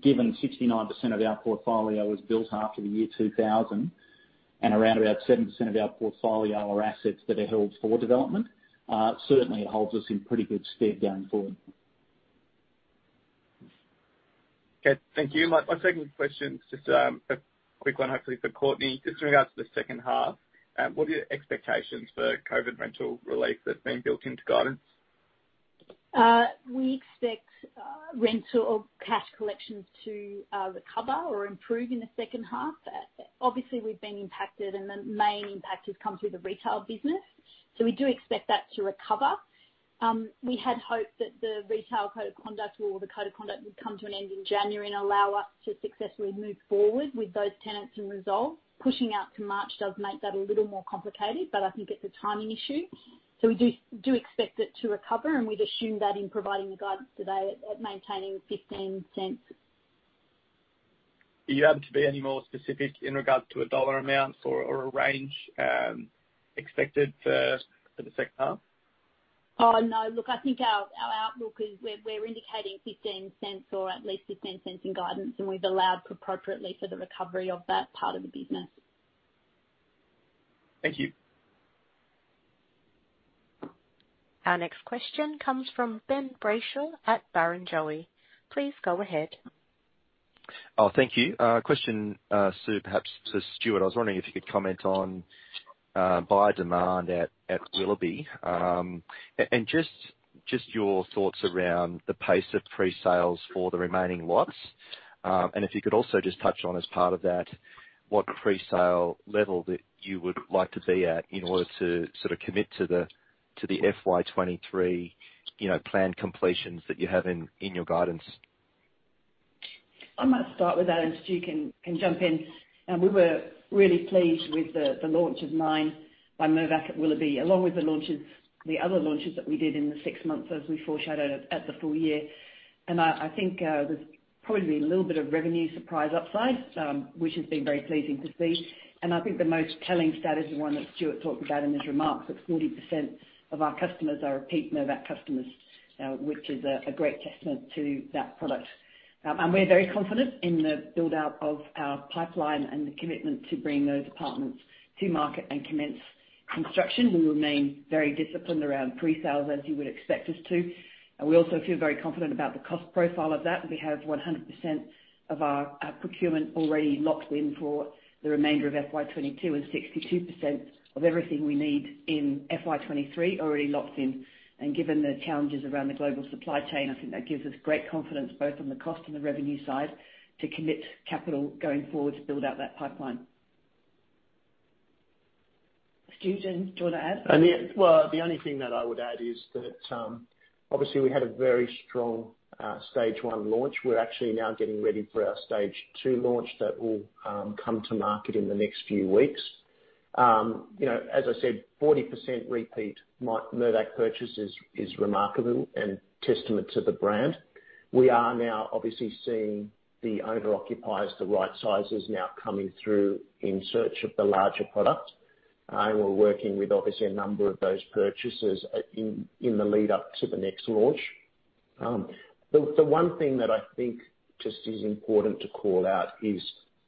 Given 69% of our portfolio was built after the year 2000 and around about 7% of our portfolio are assets that are held for development, certainly it holds us in pretty good stead going forward. Okay, thank you. My second question is just a quick one, hopefully for Courtney. Just in regards to the second half, what are your expectations for COVID rental relief that's been built into guidance? We expect rental or cash collections to recover or improve in the second half. Obviously we've been impacted, and the main impact has come through the retail business. We do expect that to recover. We had hoped that the Retail Code of Conduct or the Code of Conduct would come to an end in January and allow us to successfully move forward with those tenants and resolve. Pushing out to March does make that a little more complicated, but I think it's a timing issue. We do expect it to recover, and we've assumed that in providing the guidance today at maintaining 0.15. Are you able to be any more specific in regards to a dollar amount or a range expected for the second half? Oh, no. Look, I think our outlook is we're indicating 0.15 or at least 0.15 in guidance, and we've allowed appropriately for the recovery of that part of the business. Thank you. Our next question comes from Ben Brayshaw at Barrenjoey. Please go ahead. Oh, thank you. Question, Su, perhaps to Stuart. I was wondering if you could comment on buyer demand at Willoughby. Just your thoughts around the pace of pre-sales for the remaining lots. If you could also just touch on as part of that, what pre-sale level that you would like to be at in order to sort of commit to the FY 2023, you know, planned completions that you have in your guidance. I might start with that, and Stu can jump in. We were really pleased with the launch of NINE by Mirvac at Willoughby, along with the other launches that we did in the six months as we foreshadowed at the full year. I think there's probably a little bit of revenue surprise upside, which has been very pleasing to see. I think the most telling stat is the one that Stuart talked about in his remarks, that 40% of our customers are repeat Mirvac customers, which is a great testament to that product. We're very confident in the build-out of our pipeline and the commitment to bring those apartments to market and commence construction. We remain very disciplined around pre-sales, as you would expect us to. We also feel very confident about the cost profile of that. We have 100% of our procurement already locked in for the remainder of FY 2022, and 62% of everything we need in FY 2023 already locked in. Given the challenges around the global supply chain, I think that gives us great confidence both on the cost and the revenue side, to commit capital going forward to build out that pipeline. Stuart, do you wanna add? Yeah, well, the only thing that I would add is that obviously we had a very strong stage one launch. We're actually now getting ready for our stage two launch that will come to market in the next few weeks. You know, as I said, 40% repeat Mirvac purchase is remarkable and testament to the brand. We are now obviously seeing the owner-occupiers, the right sizes now coming through in search of the larger product. We're working with obviously a number of those purchasers in the lead up to the next launch. The one thing that I think just is important to call out is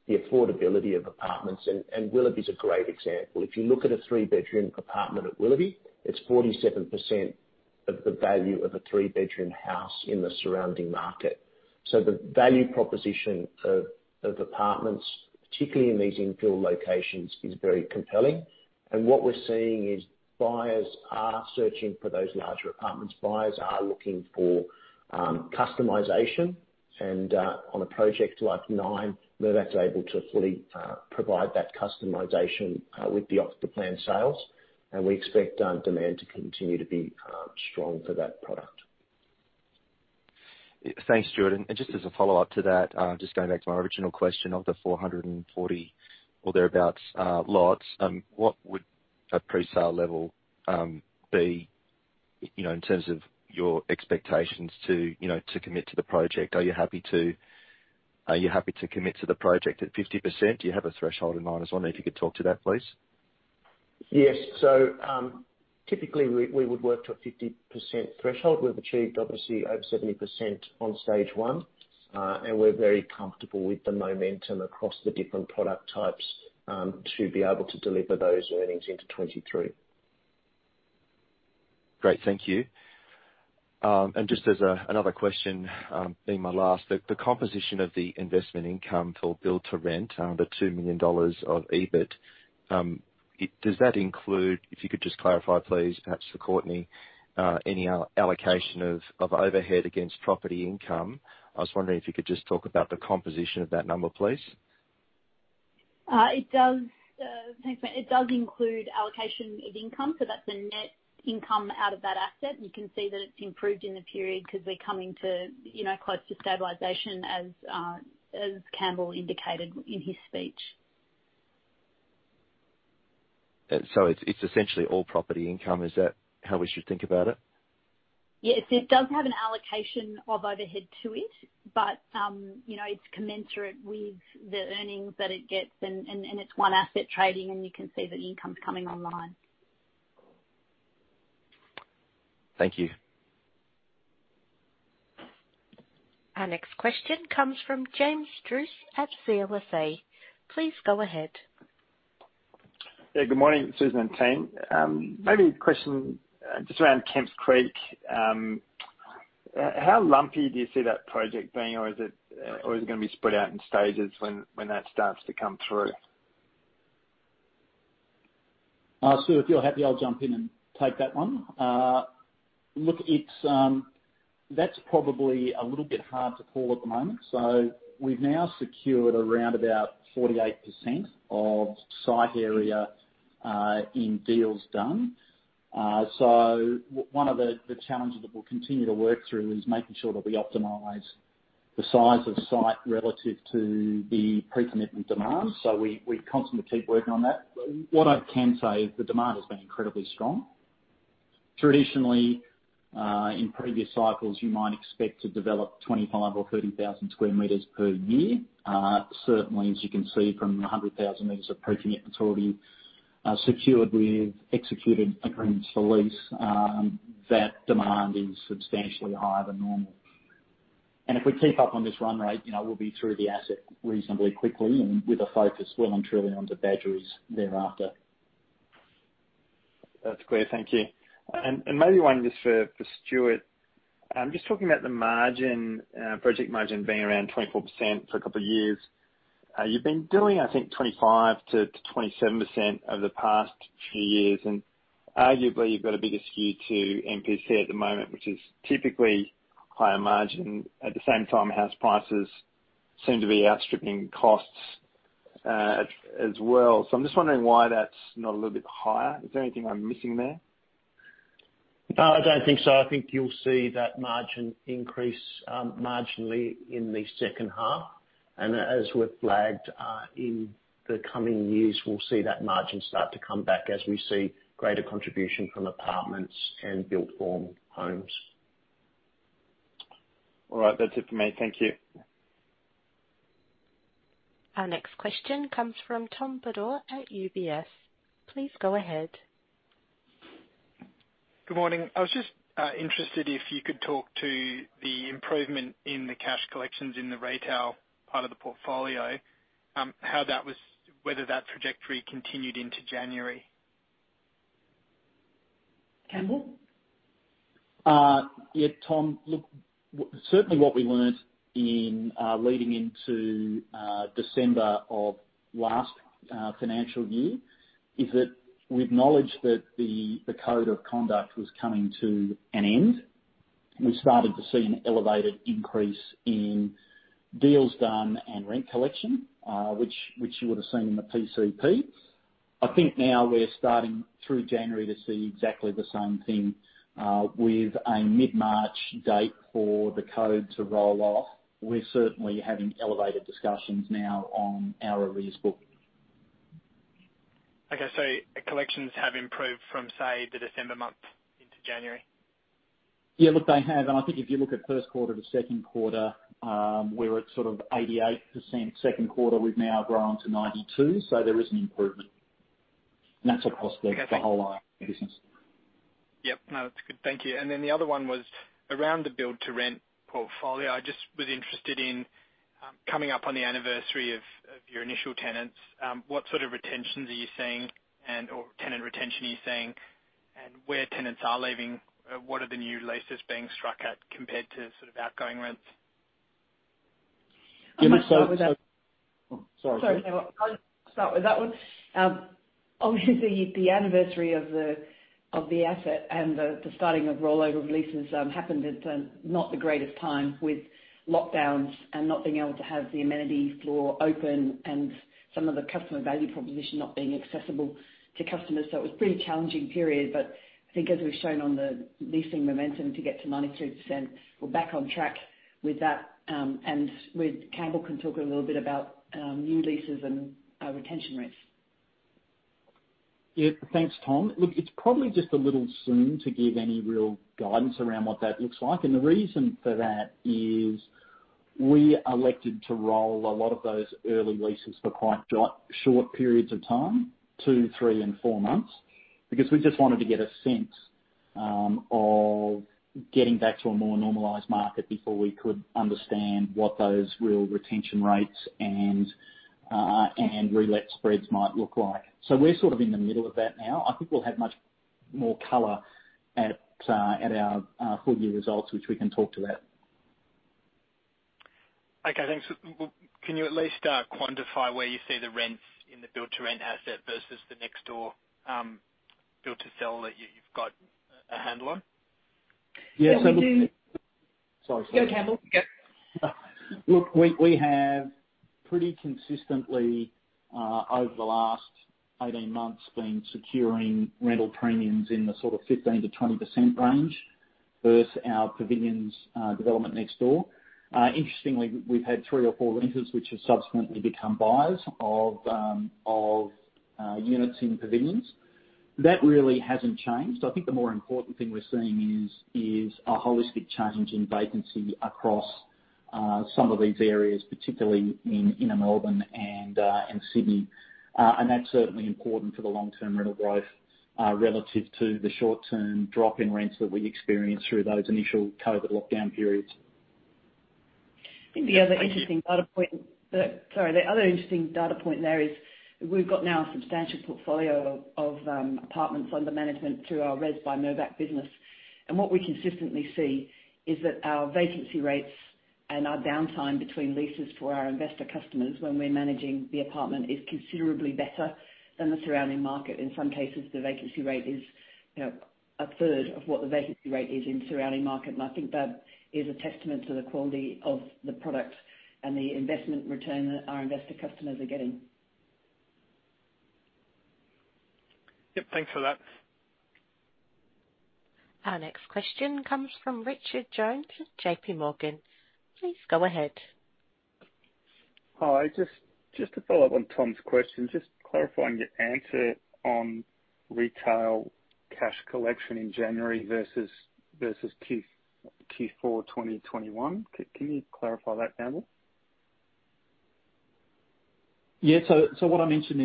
the affordability of apartments, and Willoughby's a great example. If you look at a three-bedroom apartment at Willoughby, it's 47% of the value of a three-bedroom house in the surrounding market. The value proposition of apartments, particularly in these infill locations, is very compelling. What we're seeing is buyers are searching for those larger apartments. Buyers are looking for customization and on a project like NINE, Mirvac's able to fully provide that customization with the off-the-plan sales. We expect demand to continue to be strong for that product. Thanks, Stuart. Just as a follow-up to that, just going back to my original question of the 440 or thereabouts lots, what would a pre-sale level be, you know, in terms of your expectations to, you know, to commit to the project? Are you happy to commit to the project at 50%? Do you have a threshold in mind? I was wondering if you could talk to that, please. Yes. Typically we would work to a 50% threshold. We've achieved obviously over 70% on stage one. We're very comfortable with the momentum across the different product types to be able to deliver those earnings into 2023. Great. Thank you. Just another question, being my last, the composition of the investment income for build to rent, the 2 million dollars of EBIT, does that include, if you could just clarify please, perhaps for Courtney, any allocation of overhead against property income? I was wondering if you could just talk about the composition of that number, please. It does include allocation of income, so that's the net income out of that asset. You can see that it's improved in the period because we're coming to, you know, close to stabilization as Campbell Hanan indicated in his speech. It's essentially all property income. Is that how we should think about it? Yes. It does have an allocation of overhead to it, but, you know, it's commensurate with the earnings that it gets and it's one asset trading, and you can see the income's coming online. Thank you. Our next question comes from James Druce at CLSA. Please go ahead. Yeah, good morning, Susan and team. Maybe a question just around Kemps Creek. How lumpy do you see that project being, or is it gonna be spread out in stages when that starts to come through? Su, if you're happy, I'll jump in and take that one. Look, it's. That's probably a little bit hard to call at the moment. We've now secured around about 48% of site area in deals done. One of the challenges that we'll continue to work through is making sure that we optimize the size of site relative to the pre-commitment demand. We constantly keep working on that. What I can say is the demand has been incredibly strong. Traditionally in previous cycles, you might expect to develop 25,000 or 30,000 sq m per year. Certainly as you can see from the 100,000 square meters of pre-commitment that's already secured with executed agreements for lease, that demand is substantially higher than normal. If we keep up on this run rate, you know, we'll be through the asset reasonably quickly and with a focus well and truly onto Badgerys Creek thereafter. That's clear. Thank you. Maybe one just for Stuart. Just talking about the margin, project margin being around 24% for a couple of years. You've been doing, I think, 25%-27% over the past few years, and arguably you've got a big skew to MPC at the moment, which is typically higher margin. At the same time, house prices seem to be outstripping costs, as well. I'm just wondering why that's not a little bit higher. Is there anything I'm missing there? No, I don't think so. I think you'll see that margin increase marginally in the second half. As we've flagged, in the coming years, we'll see that margin start to come back as we see greater contribution from apartments and built form homes. All right. That's it for me. Thank you. Our next question comes from Tom Bodor at UBS. Please go ahead. Good morning. I was just interested if you could talk to the improvement in the cash collections in the retail part of the portfolio, how that was, whether that trajectory continued into January. Campbell? Yeah, Tom, look, certainly what we learned in leading into December of last financial year is that we acknowledged that the Code of Conduct was coming to an end. We started to see an elevated increase in deals done and rent collection, which you would have seen in the PCP. I think now we're starting through January to see exactly the same thing, with a mid-March date for the code to roll off. We're certainly having elevated discussions now on our arrears book. Okay. Collections have improved from, say, the December month into January? Yeah. Look, they have, and I think if you look at first quarter to second quarter, we're at sort of 88%. Second quarter, we've now grown to 92%, so there is an improvement. That's across the- Okay. the whole business. Yep. No, that's good. Thank you. Then the other one was around the build to rent portfolio. I just was interested in coming up on the anniversary of your initial tenants, what sort of retentions are you seeing and/or tenant retention are you seeing, and where tenants are leaving, what are the new leases being struck at compared to sort of outgoing rents? I'm gonna start with that. Oh, sorry. Sorry. No, I'll start with that one. Obviously, the anniversary of the asset and the starting of rollover leases happened at not the greatest time with lockdowns and not being able to have the amenity floor open and some of the customer value proposition not being accessible to customers. It was a pretty challenging period. I think as we've shown on the leasing momentum to get to 93%, we're back on track with that. Campbell can talk a little bit about new leases and retention rates. Yeah. Thanks, Tom. Look, it's probably just a little soon to give any real guidance around what that looks like. The reason for that is we elected to roll a lot of those early leases for quite short periods of time, two, three, and four months, because we just wanted to get a sense of getting back to a more normalized market before we could understand what those real retention rates and relet spreads might look like. We're sort of in the middle of that now. I think we'll have much more color at our full year results, which we can talk to that. Okay, thanks. Well, can you at least quantify where you see the rents in the build to rent asset versus the next door build to sell that you've got a handle on? Yeah. We can do- Sorry. Go, Campbell. Yep. Look, we have pretty consistently over the last 18 months been securing rental premiums in the sort of 15%-20% range versus our Pavilions development next door. Interestingly, we've had three or four renters which have subsequently become buyers of units in Pavilions. That really hasn't changed. I think the more important thing we're seeing is a holistic change in vacancy across some of these areas, particularly in inner Melbourne and Sydney. That's certainly important for the long-term rental growth relative to the short-term drop in rents that we experienced through those initial COVID lockdown periods. Thank you. The other interesting data point there is we've got now a substantial portfolio of apartments under management through our RES by Mirvac business. What we consistently see is that our vacancy rates and our downtime between leases for our investor customers when we're managing the apartment is considerably better than the surrounding market. In some cases, the vacancy rate is, you know, a third of what the vacancy rate is in surrounding market. I think that is a testament to the quality of the product and the investment return our investor customers are getting. Yep. Thanks for that. Our next question comes from Richard Jones, JPMorgan. Please go ahead. Hi. Just to follow up on Tom's question, just clarifying your answer on retail cash collection in January versus Q4 of 2021. Can you clarify that, Campbell? What I mentioned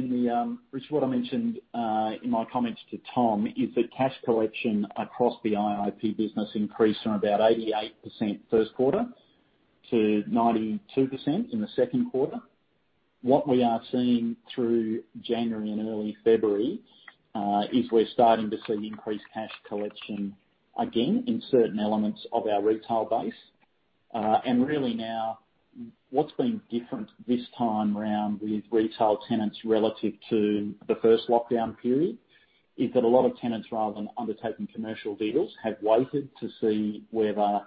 in my comments to Tom is that cash collection across the IIP business increased from about 88% first quarter to 92% in the second quarter. What we are seeing through January and early February is we're starting to see increased cash collection again in certain elements of our retail base. Really now what's been different this time around with retail tenants relative to the first lockdown period is that a lot of tenants, rather than undertaking commercial deals, have waited to see whether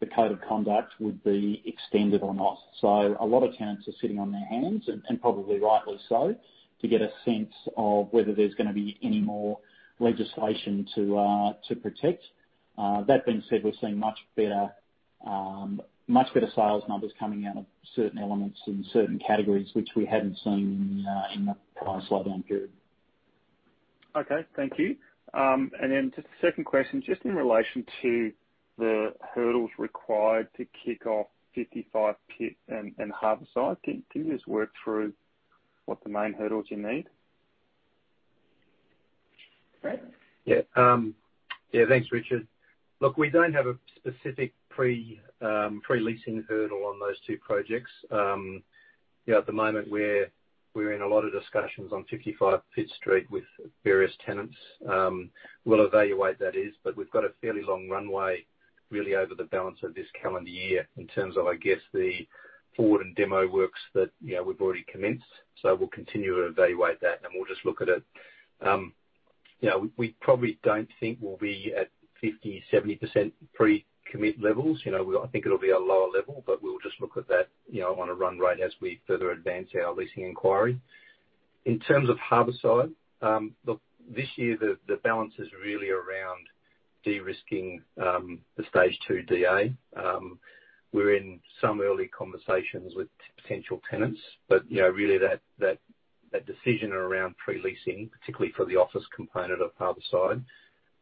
the Code of Conduct would be extended or not. A lot of tenants are sitting on their hands, and probably rightly so, to get a sense of whether there's gonna be any more legislation to protect. That being said, we're seeing much better sales numbers coming out of certain elements in certain categories which we hadn't seen in that prior slowdown period. Okay. Thank you. Just a second question. Just in relation to the hurdles required to kick off 55 Pitt and Harbourside. Can you just work through what the main hurdles you need? Brett? Thanks, Richard. Look, we don't have a specific pre-leasing hurdle on those two projects. You know, at the moment we're in a lot of discussions on 55 Pitt Street with various tenants. We'll evaluate that, but we've got a fairly long runway really over the balance of this calendar year in terms of, I guess, the forward and demo works that, you know, we've already commenced. We'll continue to evaluate that and we'll just look at it. You know, we probably don't think we'll be at 50%-70% pre-commit levels. You know, I think it'll be a lower level, but we'll just look at that, you know, on a run rate as we further advance our leasing inquiry. In terms of Harbourside, look, this year the balance is really around de-risking the stage two DA. We're in some early conversations with potential tenants but, you know, really that decision around pre-leasing, particularly for the office component of Harbourside,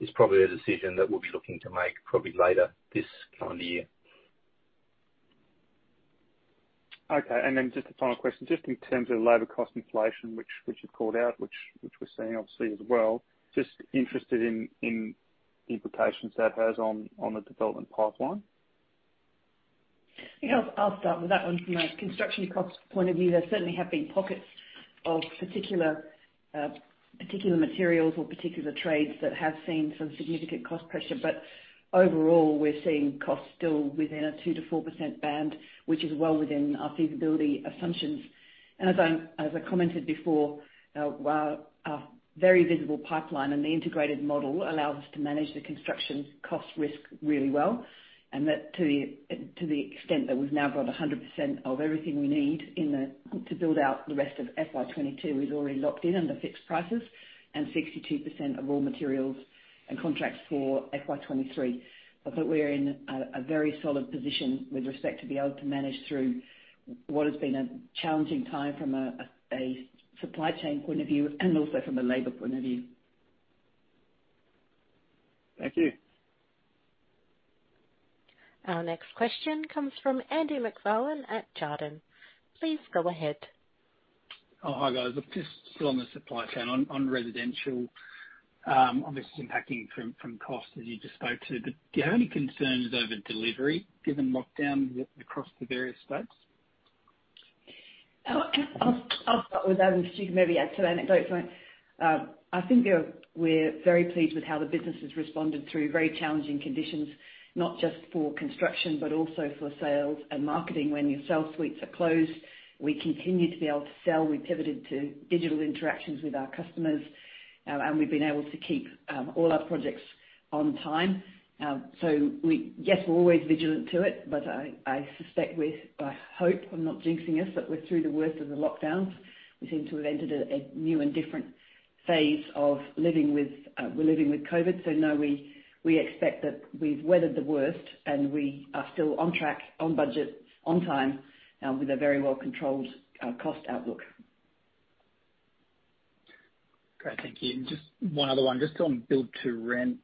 is probably a decision that we'll be looking to make probably later this calendar year. Okay. Just a final question. Just in terms of labor cost inflation, which you've called out, which we're seeing obviously as well, just interested in the implications that has on the development pipeline. Yeah. I'll start with that one. From a construction cost point of view, there certainly have been pockets of particular materials or particular trades that have seen some significant cost pressure. Overall, we're seeing costs still within a 2%-4% band, which is well within our feasibility assumptions. As I commented before, our very visible pipeline and the integrated model allow us to manage the construction cost risk really well. To the extent that we've now got 100% of everything we need to build out the rest of FY 2022 already locked in under fixed prices and 62% of raw materials and contracts for FY 2023. I think we're in a very solid position with respect to be able to manage through what has been a challenging time from a supply chain point of view and also from a labor point of view. Thank you. Our next question comes from Andrew MacFarlane at Jarden. Please go ahead. Oh, hi, guys. Look, just still on the supply chain. On residential, obviously it's impacting from cost as you just spoke to. Do you have any concerns over delivery given lockdown across the various states? Oh, I'll start with that one. You can maybe add to that, go for it. I think that we're very pleased with how the business has responded through very challenging conditions, not just for construction, but also for sales and marketing. When your sales suites are closed, we continue to be able to sell. We pivoted to digital interactions with our customers. We've been able to keep all our projects on time. Yes, we're always vigilant to it, but I suspect we're. I hope, I'm not jinxing us, but we're through the worst of the lockdowns. We seem to have entered a new and different phase of living with COVID. No, we expect that we've weathered the worst and we are still on track, on budget, on time, with a very well-controlled cost outlook. Great. Thank you. Just one other one, just on build to rent.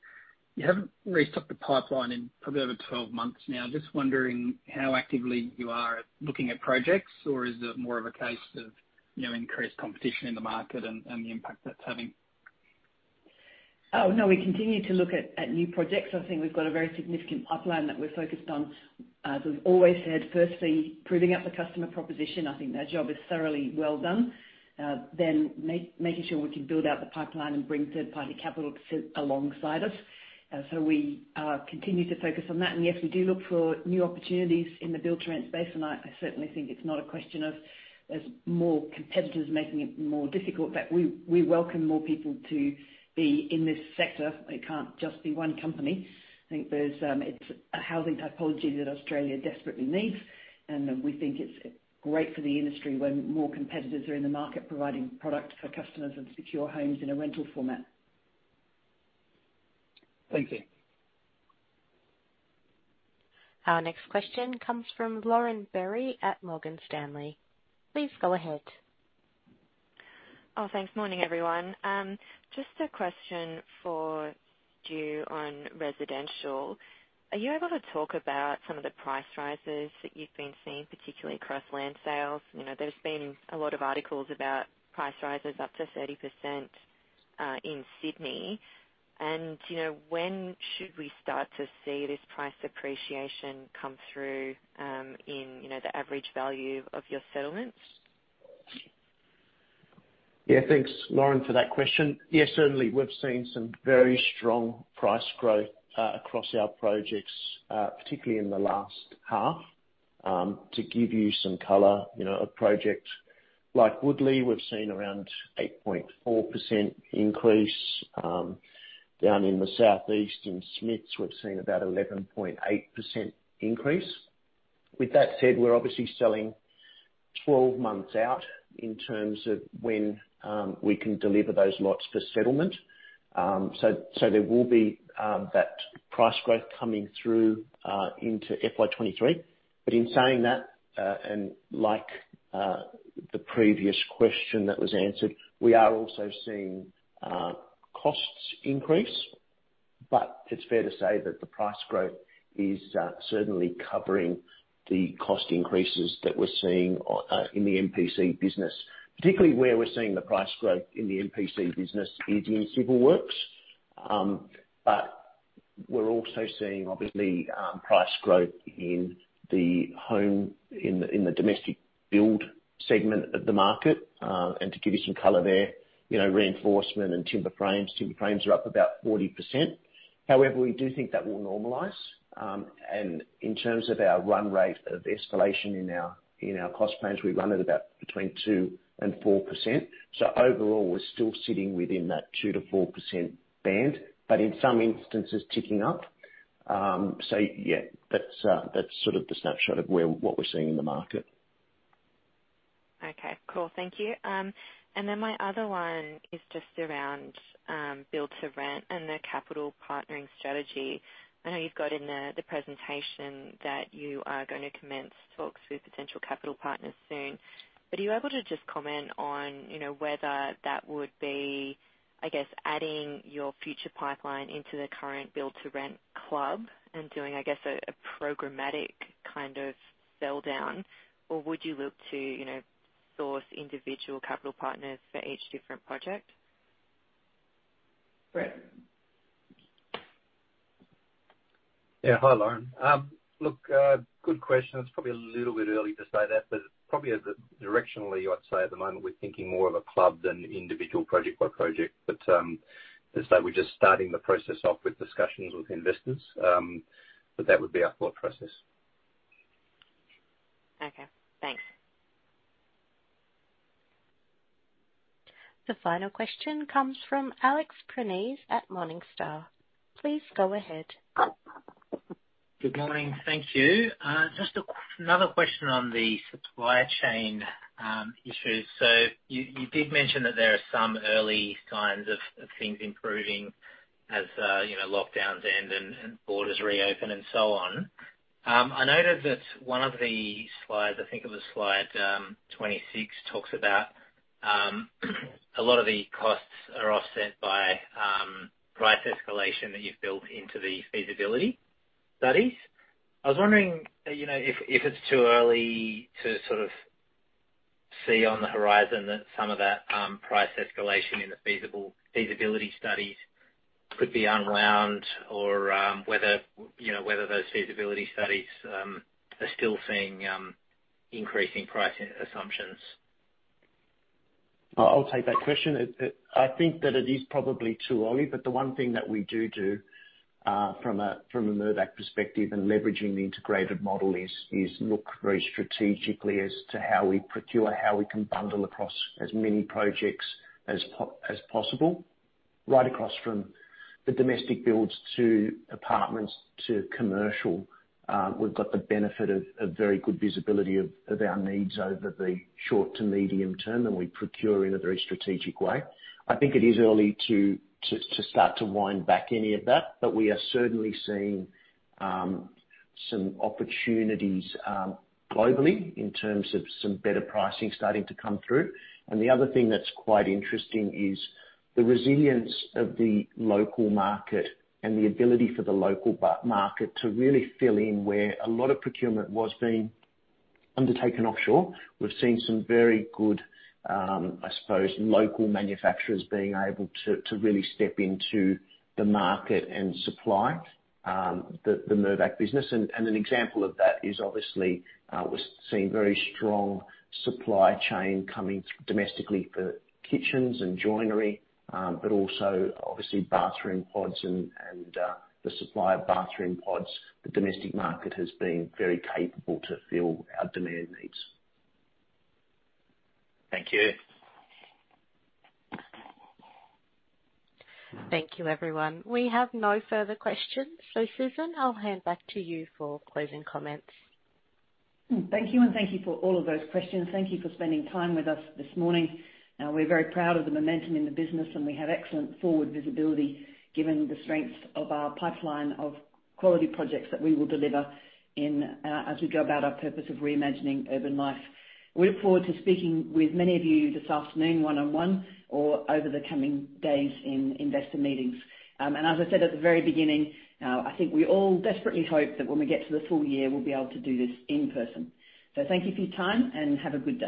You haven't restocked the pipeline in probably over 12 months now. Just wondering how actively you are at looking at projects or is it more of a case of, you know, increased competition in the market and the impact that's having? Oh, no, we continue to look at new projects. I think we've got a very significant pipeline that we're focused on. As we've always said, firstly proving out the customer proposition. I think that job is thoroughly well done. Then making sure we can build out the pipeline and bring third party capital to sit alongside us. We continue to focus on that. Yes, we do look for new opportunities in the build to rent space. I certainly think it's not a question of there's more competitors making it more difficult, but we welcome more people to be in this sector. It can't just be one company. I think there's. It's a housing typology that Australia desperately needs. We think it's great for the industry when more competitors are in the market providing product for customers and secure homes in a rental format. Thank you. Our next question comes from Lauren Berry at Morgan Stanley. Please go ahead. Thanks. Morning, everyone. Just a question for Ju on residential. Are you able to talk about some of the price rises that you've been seeing, particularly across land sales? You know, there's been a lot of articles about price rises up to 30%. In Sydney. You know, when should we start to see this price appreciation come through in, you know, the average value of your settlements? Yeah. Thanks, Lauren, for that question. Yes, certainly, we've seen some very strong price growth across our projects, particularly in the last half. To give you some color, you know, a project like Woodlea, we've seen around 8.4% increase. Down in the southeast in Smiths Lane, we've seen about 11.8% increase. With that said, we're obviously selling 12 months out in terms of when we can deliver those lots for settlement. So there will be that price growth coming through into FY 2023. In saying that, and like the previous question that was answered, we are also seeing costs increase. It's fair to say that the price growth is certainly covering the cost increases that we're seeing in the MPC business. Particularly where we're seeing the price growth in the MPC business is in civil works. We're also seeing obviously price growth in the home, in the domestic build segment of the market. To give you some color there, you know, reinforcement and timber frames. Timber frames are up about 40%. However, we do think that will normalize. In terms of our run rate of escalation in our cost plans, we run at about between 2% and 4%. Overall, we're still sitting within that 2%-4% band. In some instances ticking up. Yeah, that's sort of the snapshot of where we're seeing in the market. Okay, cool. Thank you. My other one is just around build-to-rent and the capital partnering strategy. I know you've got in the presentation that you are gonna commence talks with potential capital partners soon. Are you able to just comment on, you know, whether that would be, I guess, adding your future pipeline into the current build-to-rent club and doing, I guess, a programmatic kind of sell down? Or would you look to, you know, source individual capital partners for each different project? Brett. Yeah. Hi, Lauren. Look, good question. It's probably a little bit early to say that. Probably directionally, I'd say at the moment we're thinking more of a club than individual project by project. As I say, we're just starting the process off with discussions with investors. That would be our thought process. Okay, thanks. The final question comes from Alex Prineas at Morningstar. Please go ahead. Good morning. Thank you. Just another question on the supply chain issues. You did mention that there are some early signs of things improving as lockdowns end and borders reopen and so on. I noted that one of the slides, I think it was slide 26, talks about a lot of the costs are offset by price escalation that you've built into the feasibility studies. I was wondering if it's too early to sort of see on the horizon that some of that price escalation in the feasibility studies could be unwound or whether those feasibility studies are still seeing increasing price assumptions. I'll take that question. I think that it is probably too early, but the one thing that we do from a Mirvac perspective and leveraging the integrated model is look very strategically as to how we procure, how we can bundle across as many projects as possible. Right across from the domestic builds to apartments to commercial. We've got the benefit of very good visibility of our needs over the short to medium term, and we procure in a very strategic way. I think it is early to start to wind back any of that, but we are certainly seeing some opportunities globally in terms of some better pricing starting to come through. The other thing that's quite interesting is the resilience of the local market and the ability for the local market to really fill in where a lot of procurement was being undertaken offshore. We've seen some very good, I suppose, local manufacturers being able to really step into the market and supply the Mirvac business. An example of that is obviously we're seeing very strong supply chain coming domestically for kitchens and joinery, but also obviously bathroom pods and the supply of bathroom pods. The domestic market has been very capable to fill our demand needs. Thank you. Thank you, everyone. We have no further questions. Susan, I'll hand back to you for closing comments. Thank you, and thank you for all of those questions. Thank you for spending time with us this morning. We're very proud of the momentum in the business, and we have excellent forward visibility given the strengths of our pipeline of quality projects that we will deliver in, as we go about our purpose of reimagining urban life. We look forward to speaking with many of you this afternoon one on one or over the coming days in investor meetings. And as I said at the very beginning, I think we all desperately hope that when we get to the full year, we'll be able to do this in person. Thank you for your time, and have a good day.